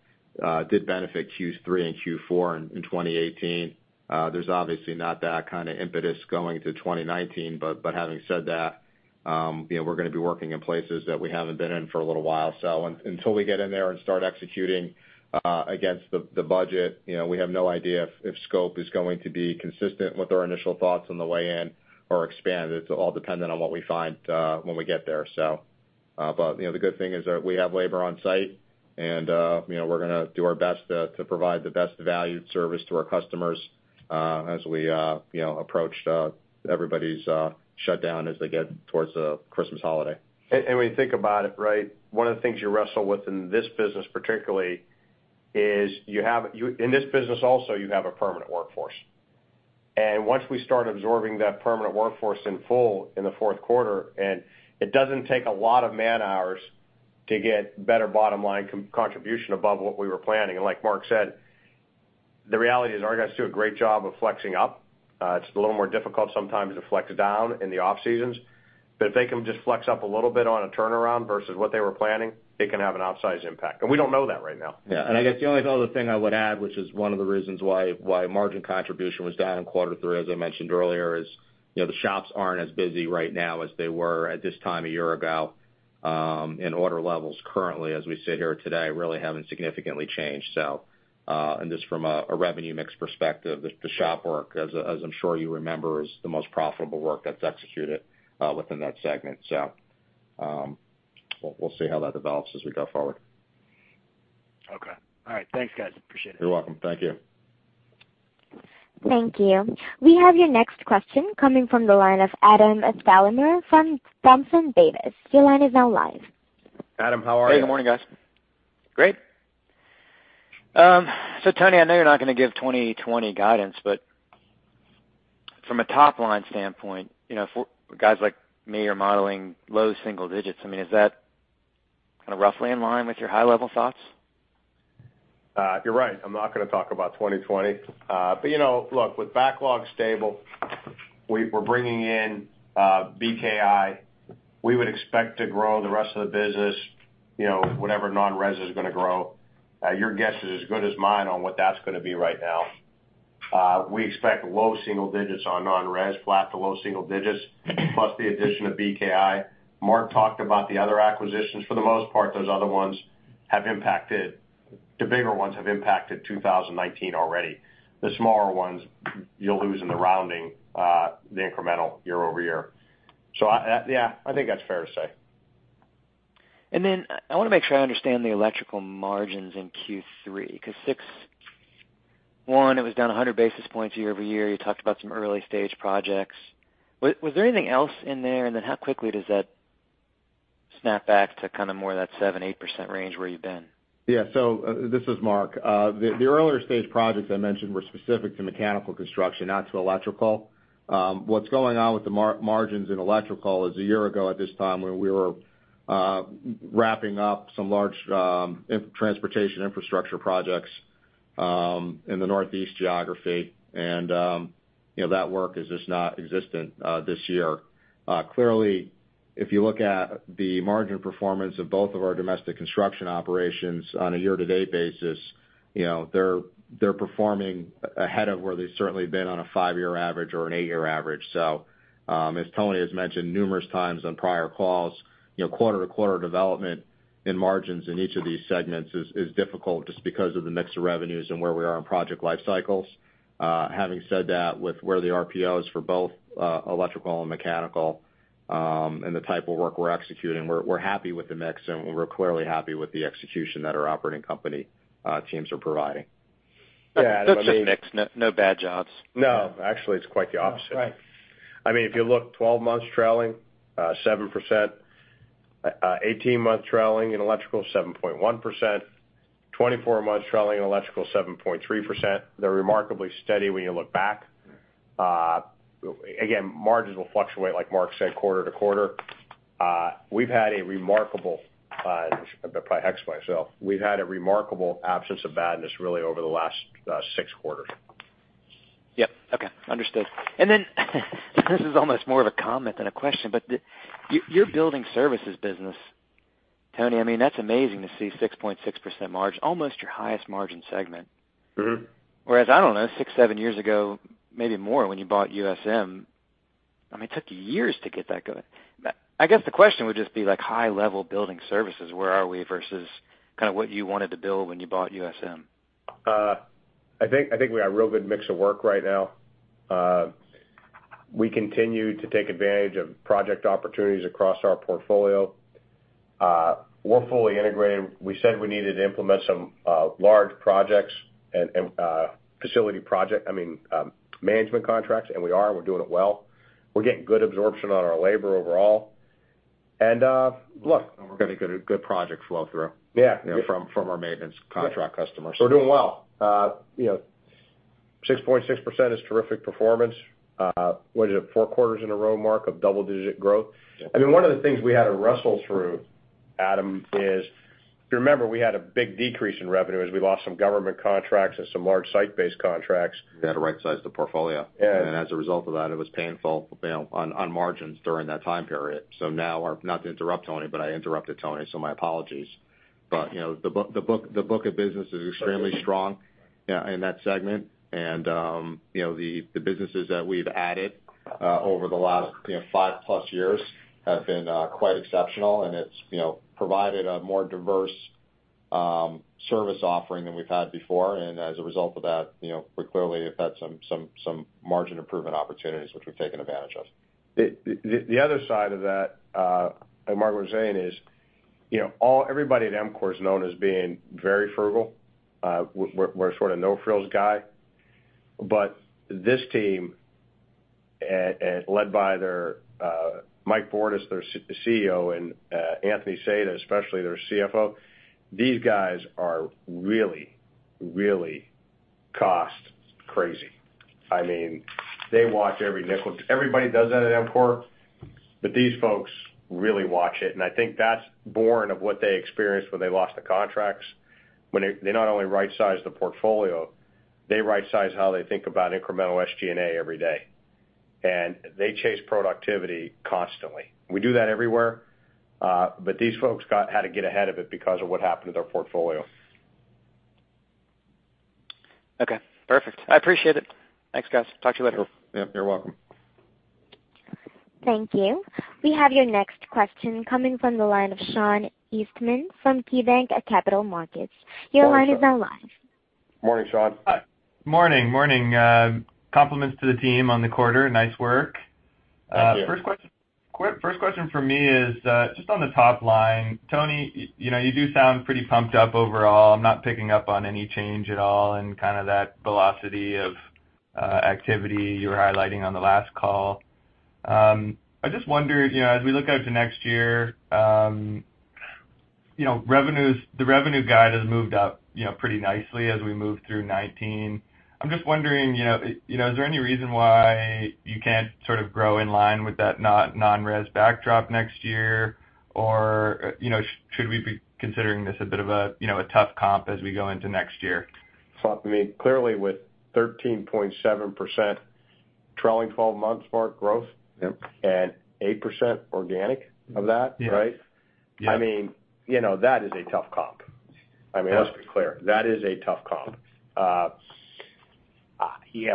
did benefit Q3 and Q4 in 2018. There's obviously not that kind of impetus going to 2019. Having said that, we're going to be working in places that we haven't been in for a little while. Until we get in there and start executing against the budget, we have no idea if scope is going to be consistent with our initial thoughts on the way in or expanded. It's all dependent on what we find when we get there. The good thing is that we have labor on site, and we're going to do our best to provide the best valued service to our customers as we approach everybody's shutdown as they get towards the Christmas holiday. When you think about it, right? One of the things you wrestle with in this business particularly is, in this business also, you have a permanent workforce. Once we start absorbing that permanent workforce in full in the fourth quarter, it doesn't take a lot of man-hours to get better bottom-line contribution above what we were planning. Like Mark said, the reality is our guys do a great job of flexing up. It's a little more difficult sometimes to flex down in the off seasons. If they can just flex up a little bit on a turnaround versus what they were planning, it can have an outsized impact. We don't know that right now. Yeah. I guess the only other thing I would add, which is one of the reasons why margin contribution was down in quarter three, as I mentioned earlier, is the shops aren't as busy right now as they were at this time a year ago. Order levels currently, as we sit here today, really haven't significantly changed. Just from a revenue mix perspective, the shop work, as I'm sure you remember, is the most profitable work that's executed within that segment. We'll see how that develops as we go forward. Okay. All right. Thanks, guys. Appreciate it. You're welcome. Thank you. Thank you. We have your next question coming from the line of Adam Thalhimer from Thompson Davis. Your line is now live. Adam, how are you? Hey, good morning, guys. Great. Tony, I know you're not going to give 2020 guidance, from a top-line standpoint, for guys like me who are modeling low single digits, is that kind of roughly in line with your high-level thoughts? You're right. I'm not going to talk about 2020. Look, with backlog stable, we're bringing in BKI. We would expect to grow the rest of the business, whatever non-res is going to grow. Your guess is as good as mine on what that's going to be right now. We expect low single digits on non-res, flat to low single digits, plus the addition of BKI. Mark talked about the other acquisitions. For the most part, the bigger ones have impacted 2019 already. The smaller ones you'll lose in the rounding the incremental year-over-year. Yeah, I think that's fair to say. I want to make sure I understand the electrical margins in Q3. Because 6.1%, it was down 100 basis points year-over-year. You talked about some early-stage projects. Was there anything else in there, and then how quickly does that snap back to kind of more that 7%-8% range where you've been? Yeah. This is Mark. The earlier stage projects I mentioned were specific to mechanical construction, not to electrical. What's going on with the margins in electrical is a year ago at this time, when we were wrapping up some large transportation infrastructure projects in the Northeast geography, and that work is just not existent this year. Clearly, if you look at the margin performance of both of our domestic construction operations on a year-to-date basis, they're performing ahead of where they've certainly been on a five-year average or an eight-year average. As Tony has mentioned numerous times on prior calls, quarter-to-quarter development in margins in each of these segments is difficult just because of the mix of revenues and where we are in project life cycles. Having said that, with where the RPO is for both electrical and mechanical, and the type of work we're executing, we're happy with the mix, and we're clearly happy with the execution that our operating company teams are providing. Yeah. It's just mix. No bad jobs. No, actually, it's quite the opposite. Right. If you look 12 months trailing, 7%, 18-month trailing in electrical, 7.1%, 24 months trailing in electrical, 7.3%. They're remarkably steady when you look back. Again, margins will fluctuate, like Mark said, quarter to quarter. We've had a remarkable, I'm going to probably hex myself. We've had a remarkable absence of badness really over the last six quarters. Yep. Okay. Understood. This is almost more of a comment than a question, but your building services business, Tony, that's amazing to see 6.6% margin, almost your highest margin segment. I don't know, six, seven years ago, maybe more, when you bought USM, it took you years to get that going. I guess the question would just be high level building services, where are we versus kind of what you wanted to build when you bought USM? I think we got a real good mix of work right now. We continue to take advantage of project opportunities across our portfolio. We're fully integrated. We said we needed to implement some large projects and facility project, I mean, management contracts, and we are, and we're doing it well. We're getting good absorption on our labor overall. we're getting good project flow through. Yeah from our maintenance contract customers. We're doing well. 6.6% is terrific performance. What is it? Four quarters in a row, Mark, of double-digit growth. Yeah. One of the things we had to wrestle through, Adam, is if you remember, we had a big decrease in revenue as we lost some government contracts and some large site-based contracts. We had to right-size the portfolio. Yeah. As a result of that, it was painful on margins during that time period. Now, not to interrupt Tony, but I interrupted Tony, so my apologies. The book of business is extremely strong in that segment. The businesses that we've added over the last five plus years have been quite exceptional, and it's provided a more diverse service offering than we've had before, and as a result of that, we clearly have had some margin improvement opportunities which we've taken advantage of. The other side of that, Mark was saying is, everybody at EMCOR is known as being very frugal. We're a no-frills guy, but this team, led by Brian G. Reinke as their CEO, and Anthony L. Guda, especially their CFO, these guys are really cost crazy. They watch every nickel. Everybody does that at EMCOR, but these folks really watch it, and I think that's born of what they experienced when they lost the contracts. They not only right-size the portfolio, they right-size how they think about incremental SG&A every day. They chase productivity constantly. We do that everywhere, but these folks had to get ahead of it because of what happened to their portfolio. Okay, perfect. I appreciate it. Thanks, guys. Talk to you later. Sure. Yep, you're welcome. Thank you. We have your next question coming from the line of Sean Eastman from KeyBanc Capital Markets. Your line is now live. Morning, Sean. Morning. Compliments to the team on the quarter. Nice work. Thank you. First question from me is, just on the top line, Tony, you do sound pretty pumped up overall. I'm not picking up on any change at all in that velocity of activity you were highlighting on the last call. I just wonder, as we look out to next year, the revenue guide has moved up pretty nicely as we move through 2019. I'm just wondering, is there any reason why you can't sort of grow in line with that non-res backdrop next year? Should we be considering this a bit of a tough comp as we go into next year? Sean, clearly with 13.7% trailing 12 months mark growth. Yep 8% organic of that, right? Yes. That is a tough comp. Let's be clear. That is a tough comp. I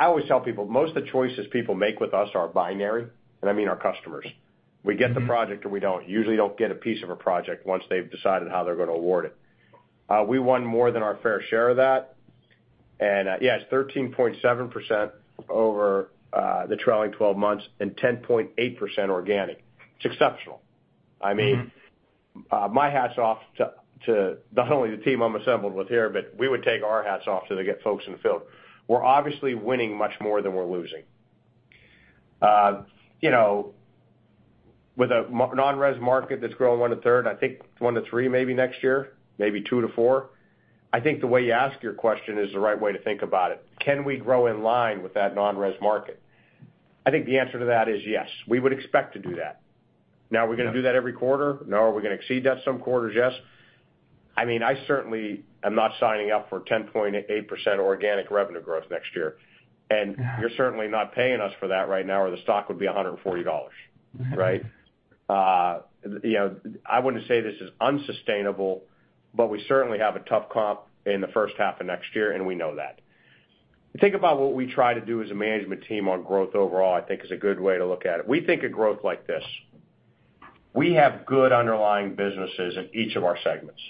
always tell people, most of the choices people make with us are binary, and I mean our customers. We get the project or we don't. We usually don't get a piece of a project once they've decided how they're going to award it. We won more than our fair share of that, and yeah, it's 13.7% over the trailing 12 months and 10.8% organic. It's exceptional. My hat's off to not only the team I'm assembled with here, but we would take our hats off to the folks in the field. We're obviously winning much more than we're losing. With a non-res market that's growing 1-3, I think 1-3 maybe next year, maybe 2-4. I think the way you ask your question is the right way to think about it. Can we grow in line with that non-res market? I think the answer to that is yes. We would expect to do that. Are we going to do that every quarter? No. Are we going to exceed that some quarters? Yes. I certainly am not signing up for 10.8% organic revenue growth next year. You're certainly not paying us for that right now, or the stock would be $140, right? I wouldn't say this is unsustainable, but we certainly have a tough comp in the first half of next year, and we know that. Think about what we try to do as a management team on growth overall, I think, is a good way to look at it. We think of growth like this. We have good underlying businesses in each of our segments.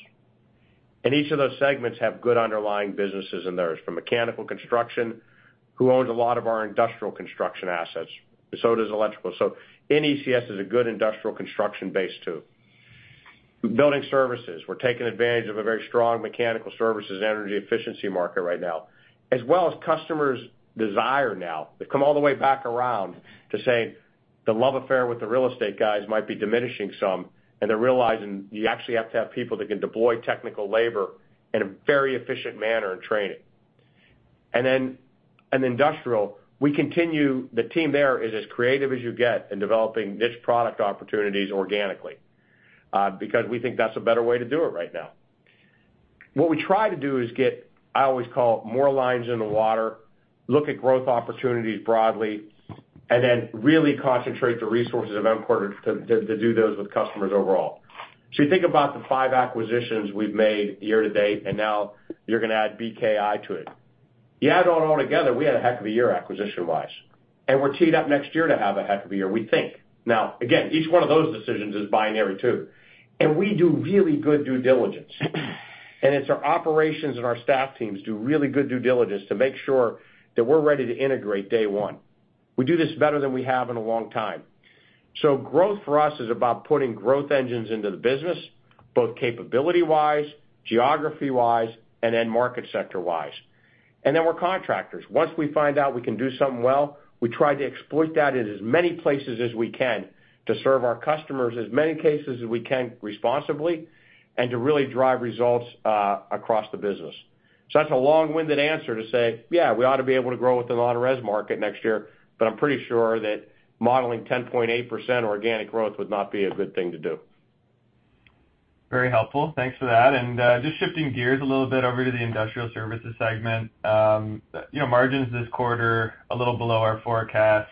Each of those segments have good underlying businesses in theirs, from mechanical construction, who owns a lot of our industrial construction assets. Does electrical. NECS is a good industrial construction base, too. Building services. We're taking advantage of a very strong mechanical services and energy efficiency market right now, as well as customers' desire now. They've come all the way back around to say the love affair with the real estate guys might be diminishing some, and they're realizing you actually have to have people that can deploy technical labor in a very efficient manner and training. Then industrial, the team there is as creative as you get in developing niche product opportunities organically, because we think that's a better way to do it right now. What we try to do is get, I always call it more lines in the water, look at growth opportunities broadly, then really concentrate the resources of EMCOR to do those with customers overall. You think about the five acquisitions we've made year to date, and now you're going to add BKI to it. You add it all together, we had a heck of a year acquisition-wise. We're teed up next year to have a heck of a year, we think. Now, again, each one of those decisions is binary, too. We do really good due diligence. It's our operations and our staff teams do really good due diligence to make sure that we're ready to integrate day one. We do this better than we have in a long time. Growth for us is about putting growth engines into the business, both capability-wise, geography-wise, and then market sector-wise. We're contractors. Once we find out we can do something well, we try to exploit that in as many places as we can to serve our customers as many cases as we can responsibly, and to really drive results across the business. That's a long-winded answer to say, yeah, we ought to be able to grow within the non-res market next year, but I'm pretty sure that modeling 10.8% organic growth would not be a good thing to do. Very helpful. Thanks for that. Just shifting gears a little bit over to the Industrial Services segment. Margins this quarter, a little below our forecast.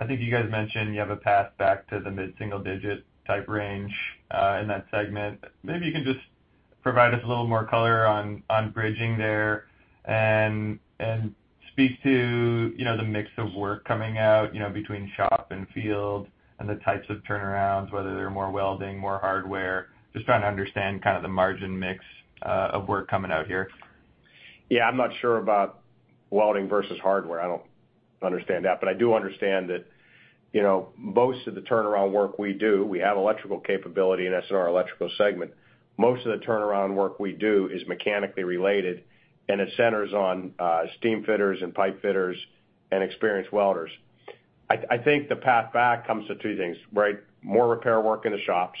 I think you guys mentioned you have a path back to the mid-single digit type range in that segment. Maybe you can just provide us a little more color on bridging there and speak to the mix of work coming out between shop and field and the types of turnarounds, whether they're more welding, more hardware, just trying to understand the margin mix of work coming out here. Yeah. I'm not sure about welding versus hardware. I don't understand that. I do understand that most of the turnaround work we do, we have electrical capability in SNR electrical segment. Most of the turnaround work we do is mechanically related, and it centers on steamfitters and pipefitters and experienced welders. I think the path back comes to two things, right? More repair work in the shops.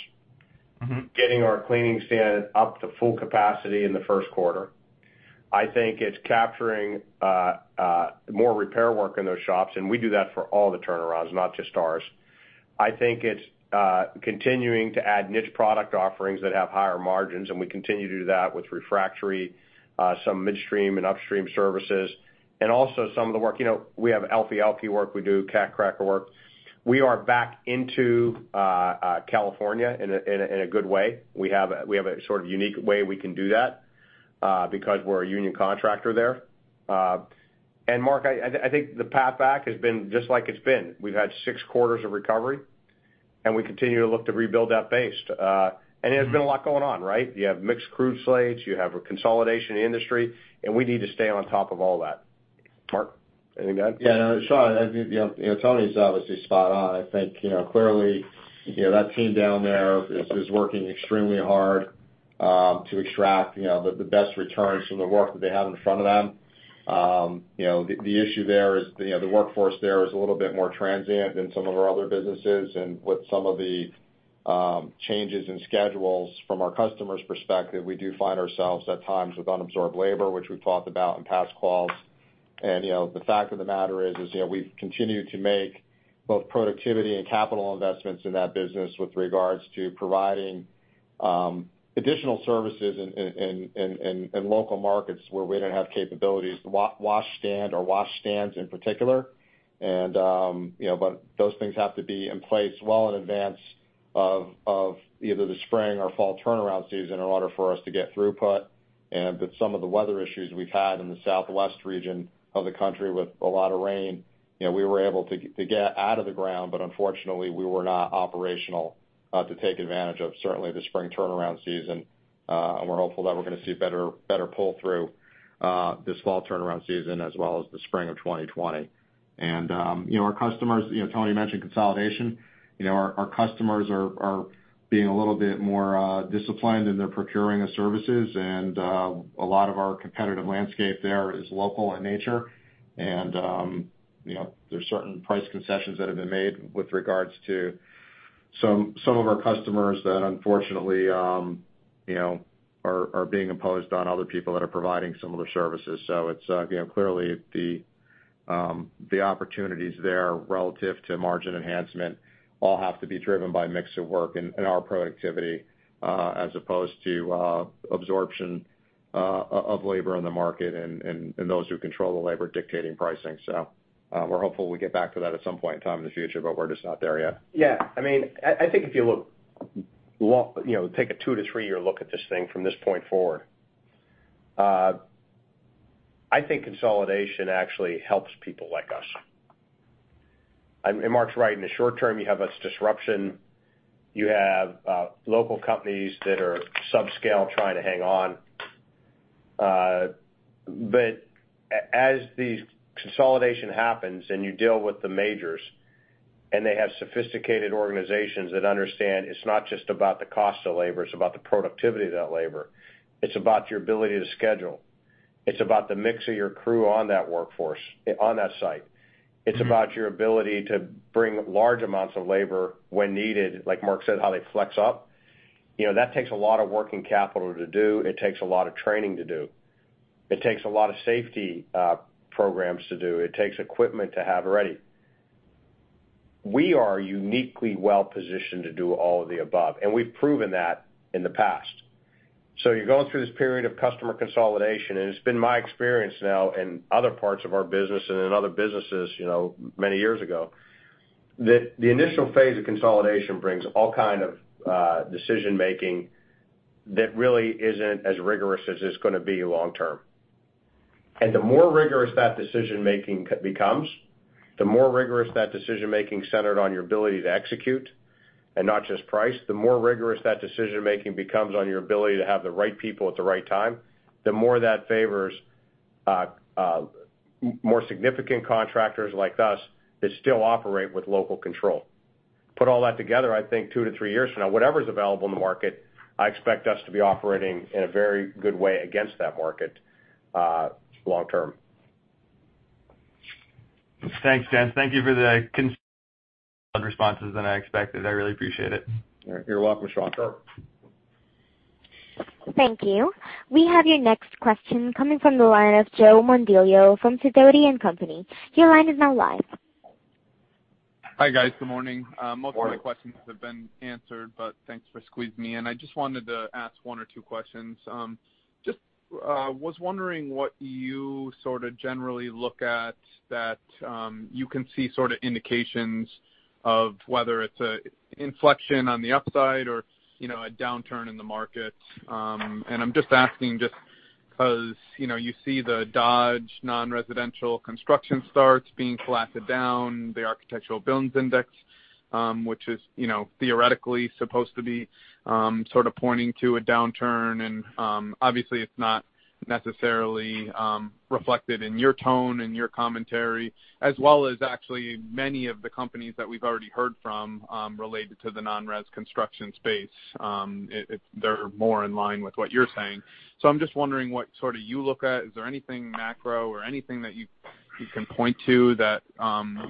Getting our cleaning stand up to full capacity in the first quarter. I think it's capturing more repair work in those shops, and we do that for all the turnarounds, not just ours. I think it's continuing to add niche product offerings that have higher margins, and we continue to do that with refractory, some midstream and upstream services, and also some of the work. We have LP work, we do cat cracker work. We are back into California in a good way. We have a sort of unique way we can do that, because we're a union contractor there. Mark, I think the path back has been just like it's been. We've had six quarters of recovery, and we continue to look to rebuild that base. There's been a lot going on, right? You have mixed crude slates, you have a consolidation industry, and we need to stay on top of all that. Mark, anything to add? Yeah, Sean, Tony's obviously spot on. I think, clearly, that team down there is working extremely hard to extract the best returns from the work that they have in front of them. The issue there is the workforce there is a little bit more transient than some of our other businesses. With some of the changes in schedules from our customers' perspective, we do find ourselves at times with unabsorbed labor, which we've talked about in past calls. The fact of the matter is, we've continued to make both productivity and capital investments in that business with regards to providing additional services in local markets where we didn't have capabilities, wash stand or wash stands in particular. Those things have to be in place well in advance of either the spring or fall turnaround season in order for us to get throughput. With some of the weather issues we've had in the Southwest region of the country with a lot of rain, we were able to get out of the ground, but unfortunately, we were not operational to take advantage of certainly the spring turnaround season. We're hopeful that we're going to see better pull-through this fall turnaround season as well as the spring of 2020. Our customers. Tony mentioned consolidation. Our customers are being a little bit more disciplined in their procuring of services. A lot of our competitive landscape there is local in nature. There's certain price concessions that have been made with regards to some of our customers that unfortunately are being imposed on other people that are providing similar services. Clearly, the opportunities there relative to margin enhancement all have to be driven by mix of work and our productivity as opposed to absorption of labor in the market and those who control the labor dictating pricing. We're hopeful we get back to that at some point in time in the future, but we're just not there yet. Yeah. I think if you take a 2 to 3-year look at this thing from this point forward, I think consolidation actually helps people like us. Mark's right, in the short term, you have this disruption. You have local companies that are subscale trying to hang on. As the consolidation happens and you deal with the majors, and they have sophisticated organizations that understand it's not just about the cost of labor, it's about the productivity of that labor. It's about your ability to schedule. It's about the mix of your crew on that workforce, on that site. It's about your ability to bring large amounts of labor when needed, like Mark said, how they flex up. That takes a lot of working capital to do. It takes a lot of training to do. It takes a lot of safety programs to do. It takes equipment to have ready. We are uniquely well-positioned to do all of the above, and we've proven that in the past. You're going through this period of customer consolidation, and it's been my experience now in other parts of our business and in other businesses many years ago, that the initial phase of consolidation brings all kind of decision-making that really isn't as rigorous as it's going to be long term. The more rigorous that decision-making becomes, the more rigorous that decision-making centered on your ability to execute and not just price, the more rigorous that decision-making becomes on your ability to have the right people at the right time, the more that favors more significant contractors like us that still operate with local control. Put all that together, I think two to three years from now, whatever's available in the market, I expect us to be operating in a very good way against that market long term. Thanks, gents. Thank you for the concise responses than I expected. I really appreciate it. You're welcome, Sean. Thank you. We have your next question coming from the line of Joe Mondello from Sidoti & Company. Your line is now live. Hi, guys. Good morning. Good morning. Most of my questions have been answered. Thanks for squeezing me in. I just wanted to ask one or two questions. I was just wondering what you generally look at that you can see indications of whether it's an inflection on the upside or a downturn in the market. I am just asking just because you see the Dodge non-residential construction starts being collapsed down, the Architectural Billings Index, which is theoretically supposed to be sort of pointing to a downturn. Obviously it's not necessarily reflected in your tone, in your commentary as well as actually many of the companies that we've already heard from, related to the non-res construction space. They're more in line with what you're saying. I'm just wondering what sort of you look at, is there anything macro or anything that you can point to that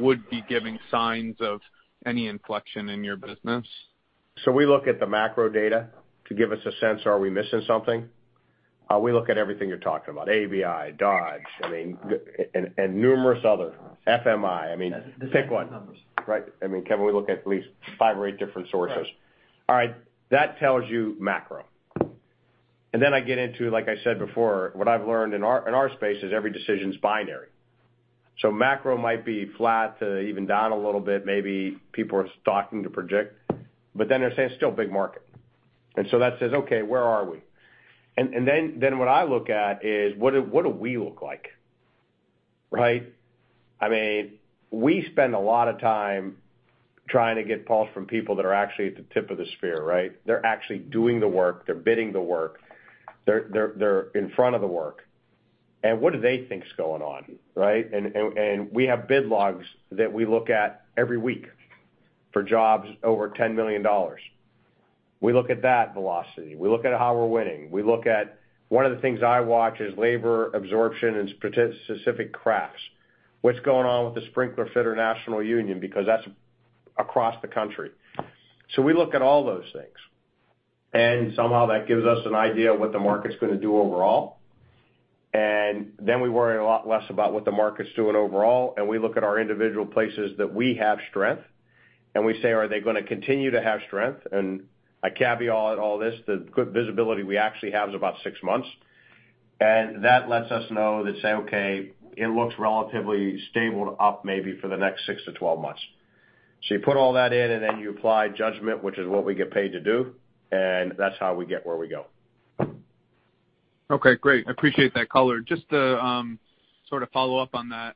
would be giving signs of any inflection in your business? We look at the macro data to give us a sense, are we missing something? We look at everything you're talking about, ABI, Dodge, and numerous others. FMI. Pick one. The same numbers. Right. Kevin, we look at least five or eight different sources. Right. All right. That tells you macro. I get into, like I said before, what I've learned in our space is every decision's binary. Macro might be flat to even down a little bit. Maybe people are stocking to project, but then they're saying it's still a big market. That says, okay, where are we? What I look at is what do we look like, right? We spend a lot of time trying to get pulse from people that are actually at the tip of the sphere, right? They're actually doing the work, they're bidding the work. They're in front of the work. What do they think is going on, right? We have bid logs that we look at every week for jobs over $10 million. We look at that velocity. We look at how we're winning. One of the things I watch is labor absorption in specific crafts. What's going on with the Sprinkler Fitter National Union, because that's across the country. We look at all those things, and somehow that gives us an idea of what the market's going to do overall. Then we worry a lot less about what the market's doing overall, and we look at our individual places that we have strength, and we say, are they going to continue to have strength? I caveat all this, the good visibility we actually have is about six months. That lets us know that, say, okay, it looks relatively stable to up maybe for the next 6 to 12 months. You put all that in and then you apply judgment, which is what we get paid to do, and that's how we get where we go. Okay, great. I appreciate that color. Just to sort of follow up on that,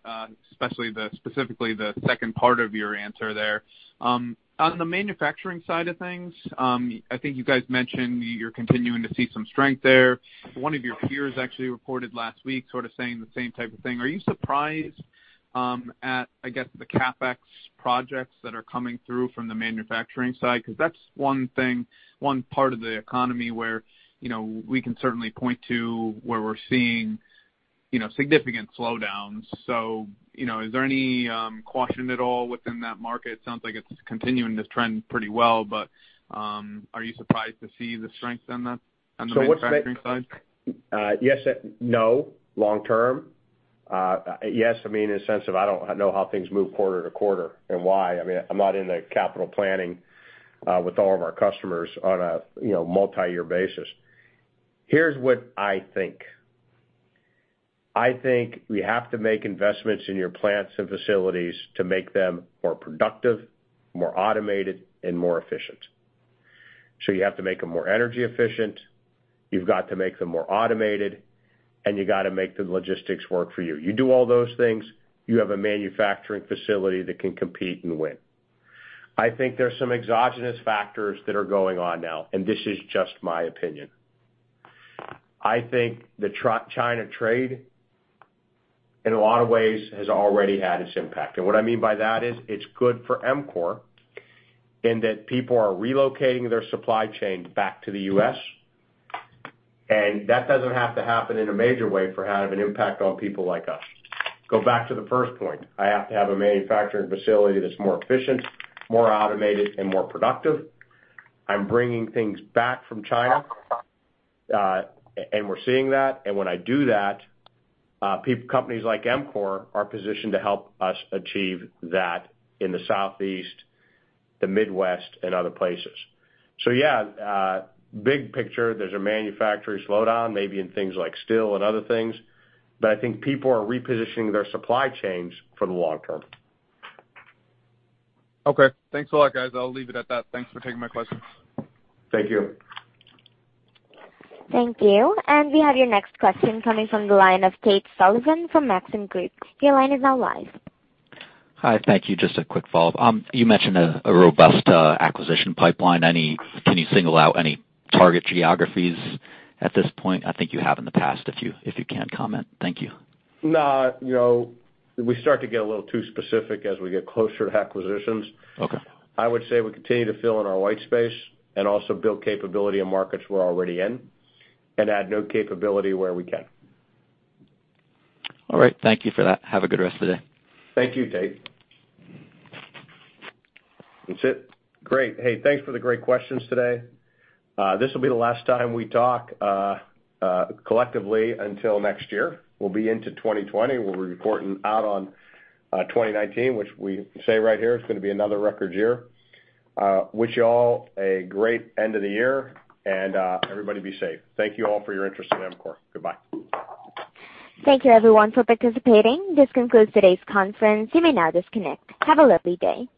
specifically the second part of your answer there. On the manufacturing side of things, I think you guys mentioned you're continuing to see some strength there. One of your peers actually reported last week sort of saying the same type of thing. Are you surprised at the CapEx projects that are coming through from the manufacturing side? That's one part of the economy where we can certainly point to where we're seeing significant slowdowns. Is there any caution at all within that market? It sounds like it's continuing this trend pretty well, but, are you surprised to see the strength on the manufacturing side? Yes no long term. Yes, in a sense of, I don't know how things move quarter to quarter and why. I'm not in the capital planning with all of our customers on a multi-year basis. Here's what I think. I think we have to make investments in your plants and facilities to make them more productive, more automated, and more efficient. You have to make them more energy efficient. You've got to make them more automated, and you got to make the logistics work for you. You do all those things, you have a manufacturing facility that can compete and win. I think there's some exogenous factors that are going on now, and this is just my opinion. I think the China trade, in a lot of ways, has already had its impact. What I mean by that is, it's good for EMCOR in that people are relocating their supply chain back to the U.S., and that doesn't have to happen in a major way for having an impact on people like us. Go back to the first point. I have to have a manufacturing facility that's more efficient, more automated, and more productive. I'm bringing things back from China, and we're seeing that. When I do that, companies like EMCOR are positioned to help us achieve that in the Southeast, the Midwest, and other places. Yeah, big picture, there's a manufacturer slowdown maybe in things like steel and other things. I think people are repositioning their supply chains for the long term. Okay. Thanks a lot, guys. I'll leave it at that. Thanks for taking my questions. Thank you. Thank you. We have your next question coming from the line of Tate Sullivan from Maxim Group. Your line is now live. Hi. Thank you. Just a quick follow-up. You mentioned a robust acquisition pipeline. Can you single out any target geographies at this point? I think you have in the past, if you can comment. Thank you. No. We start to get a little too specific as we get closer to acquisitions. Okay. I would say we continue to fill in our white space and also build capability in markets we're already in and add new capability where we can. All right. Thank you for that. Have a good rest of the day. Thank you, Tate. That's it. Great. Hey, thanks for the great questions today. This will be the last time we talk collectively until next year. We'll be into 2020. We'll be reporting out on 2019, which we say right here is going to be another record year. Wish you all a great end of the year and everybody be safe. Thank you all for your interest in EMCOR. Goodbye. Thank you everyone for participating. This concludes today's conference. You may now disconnect. Have a lovely day.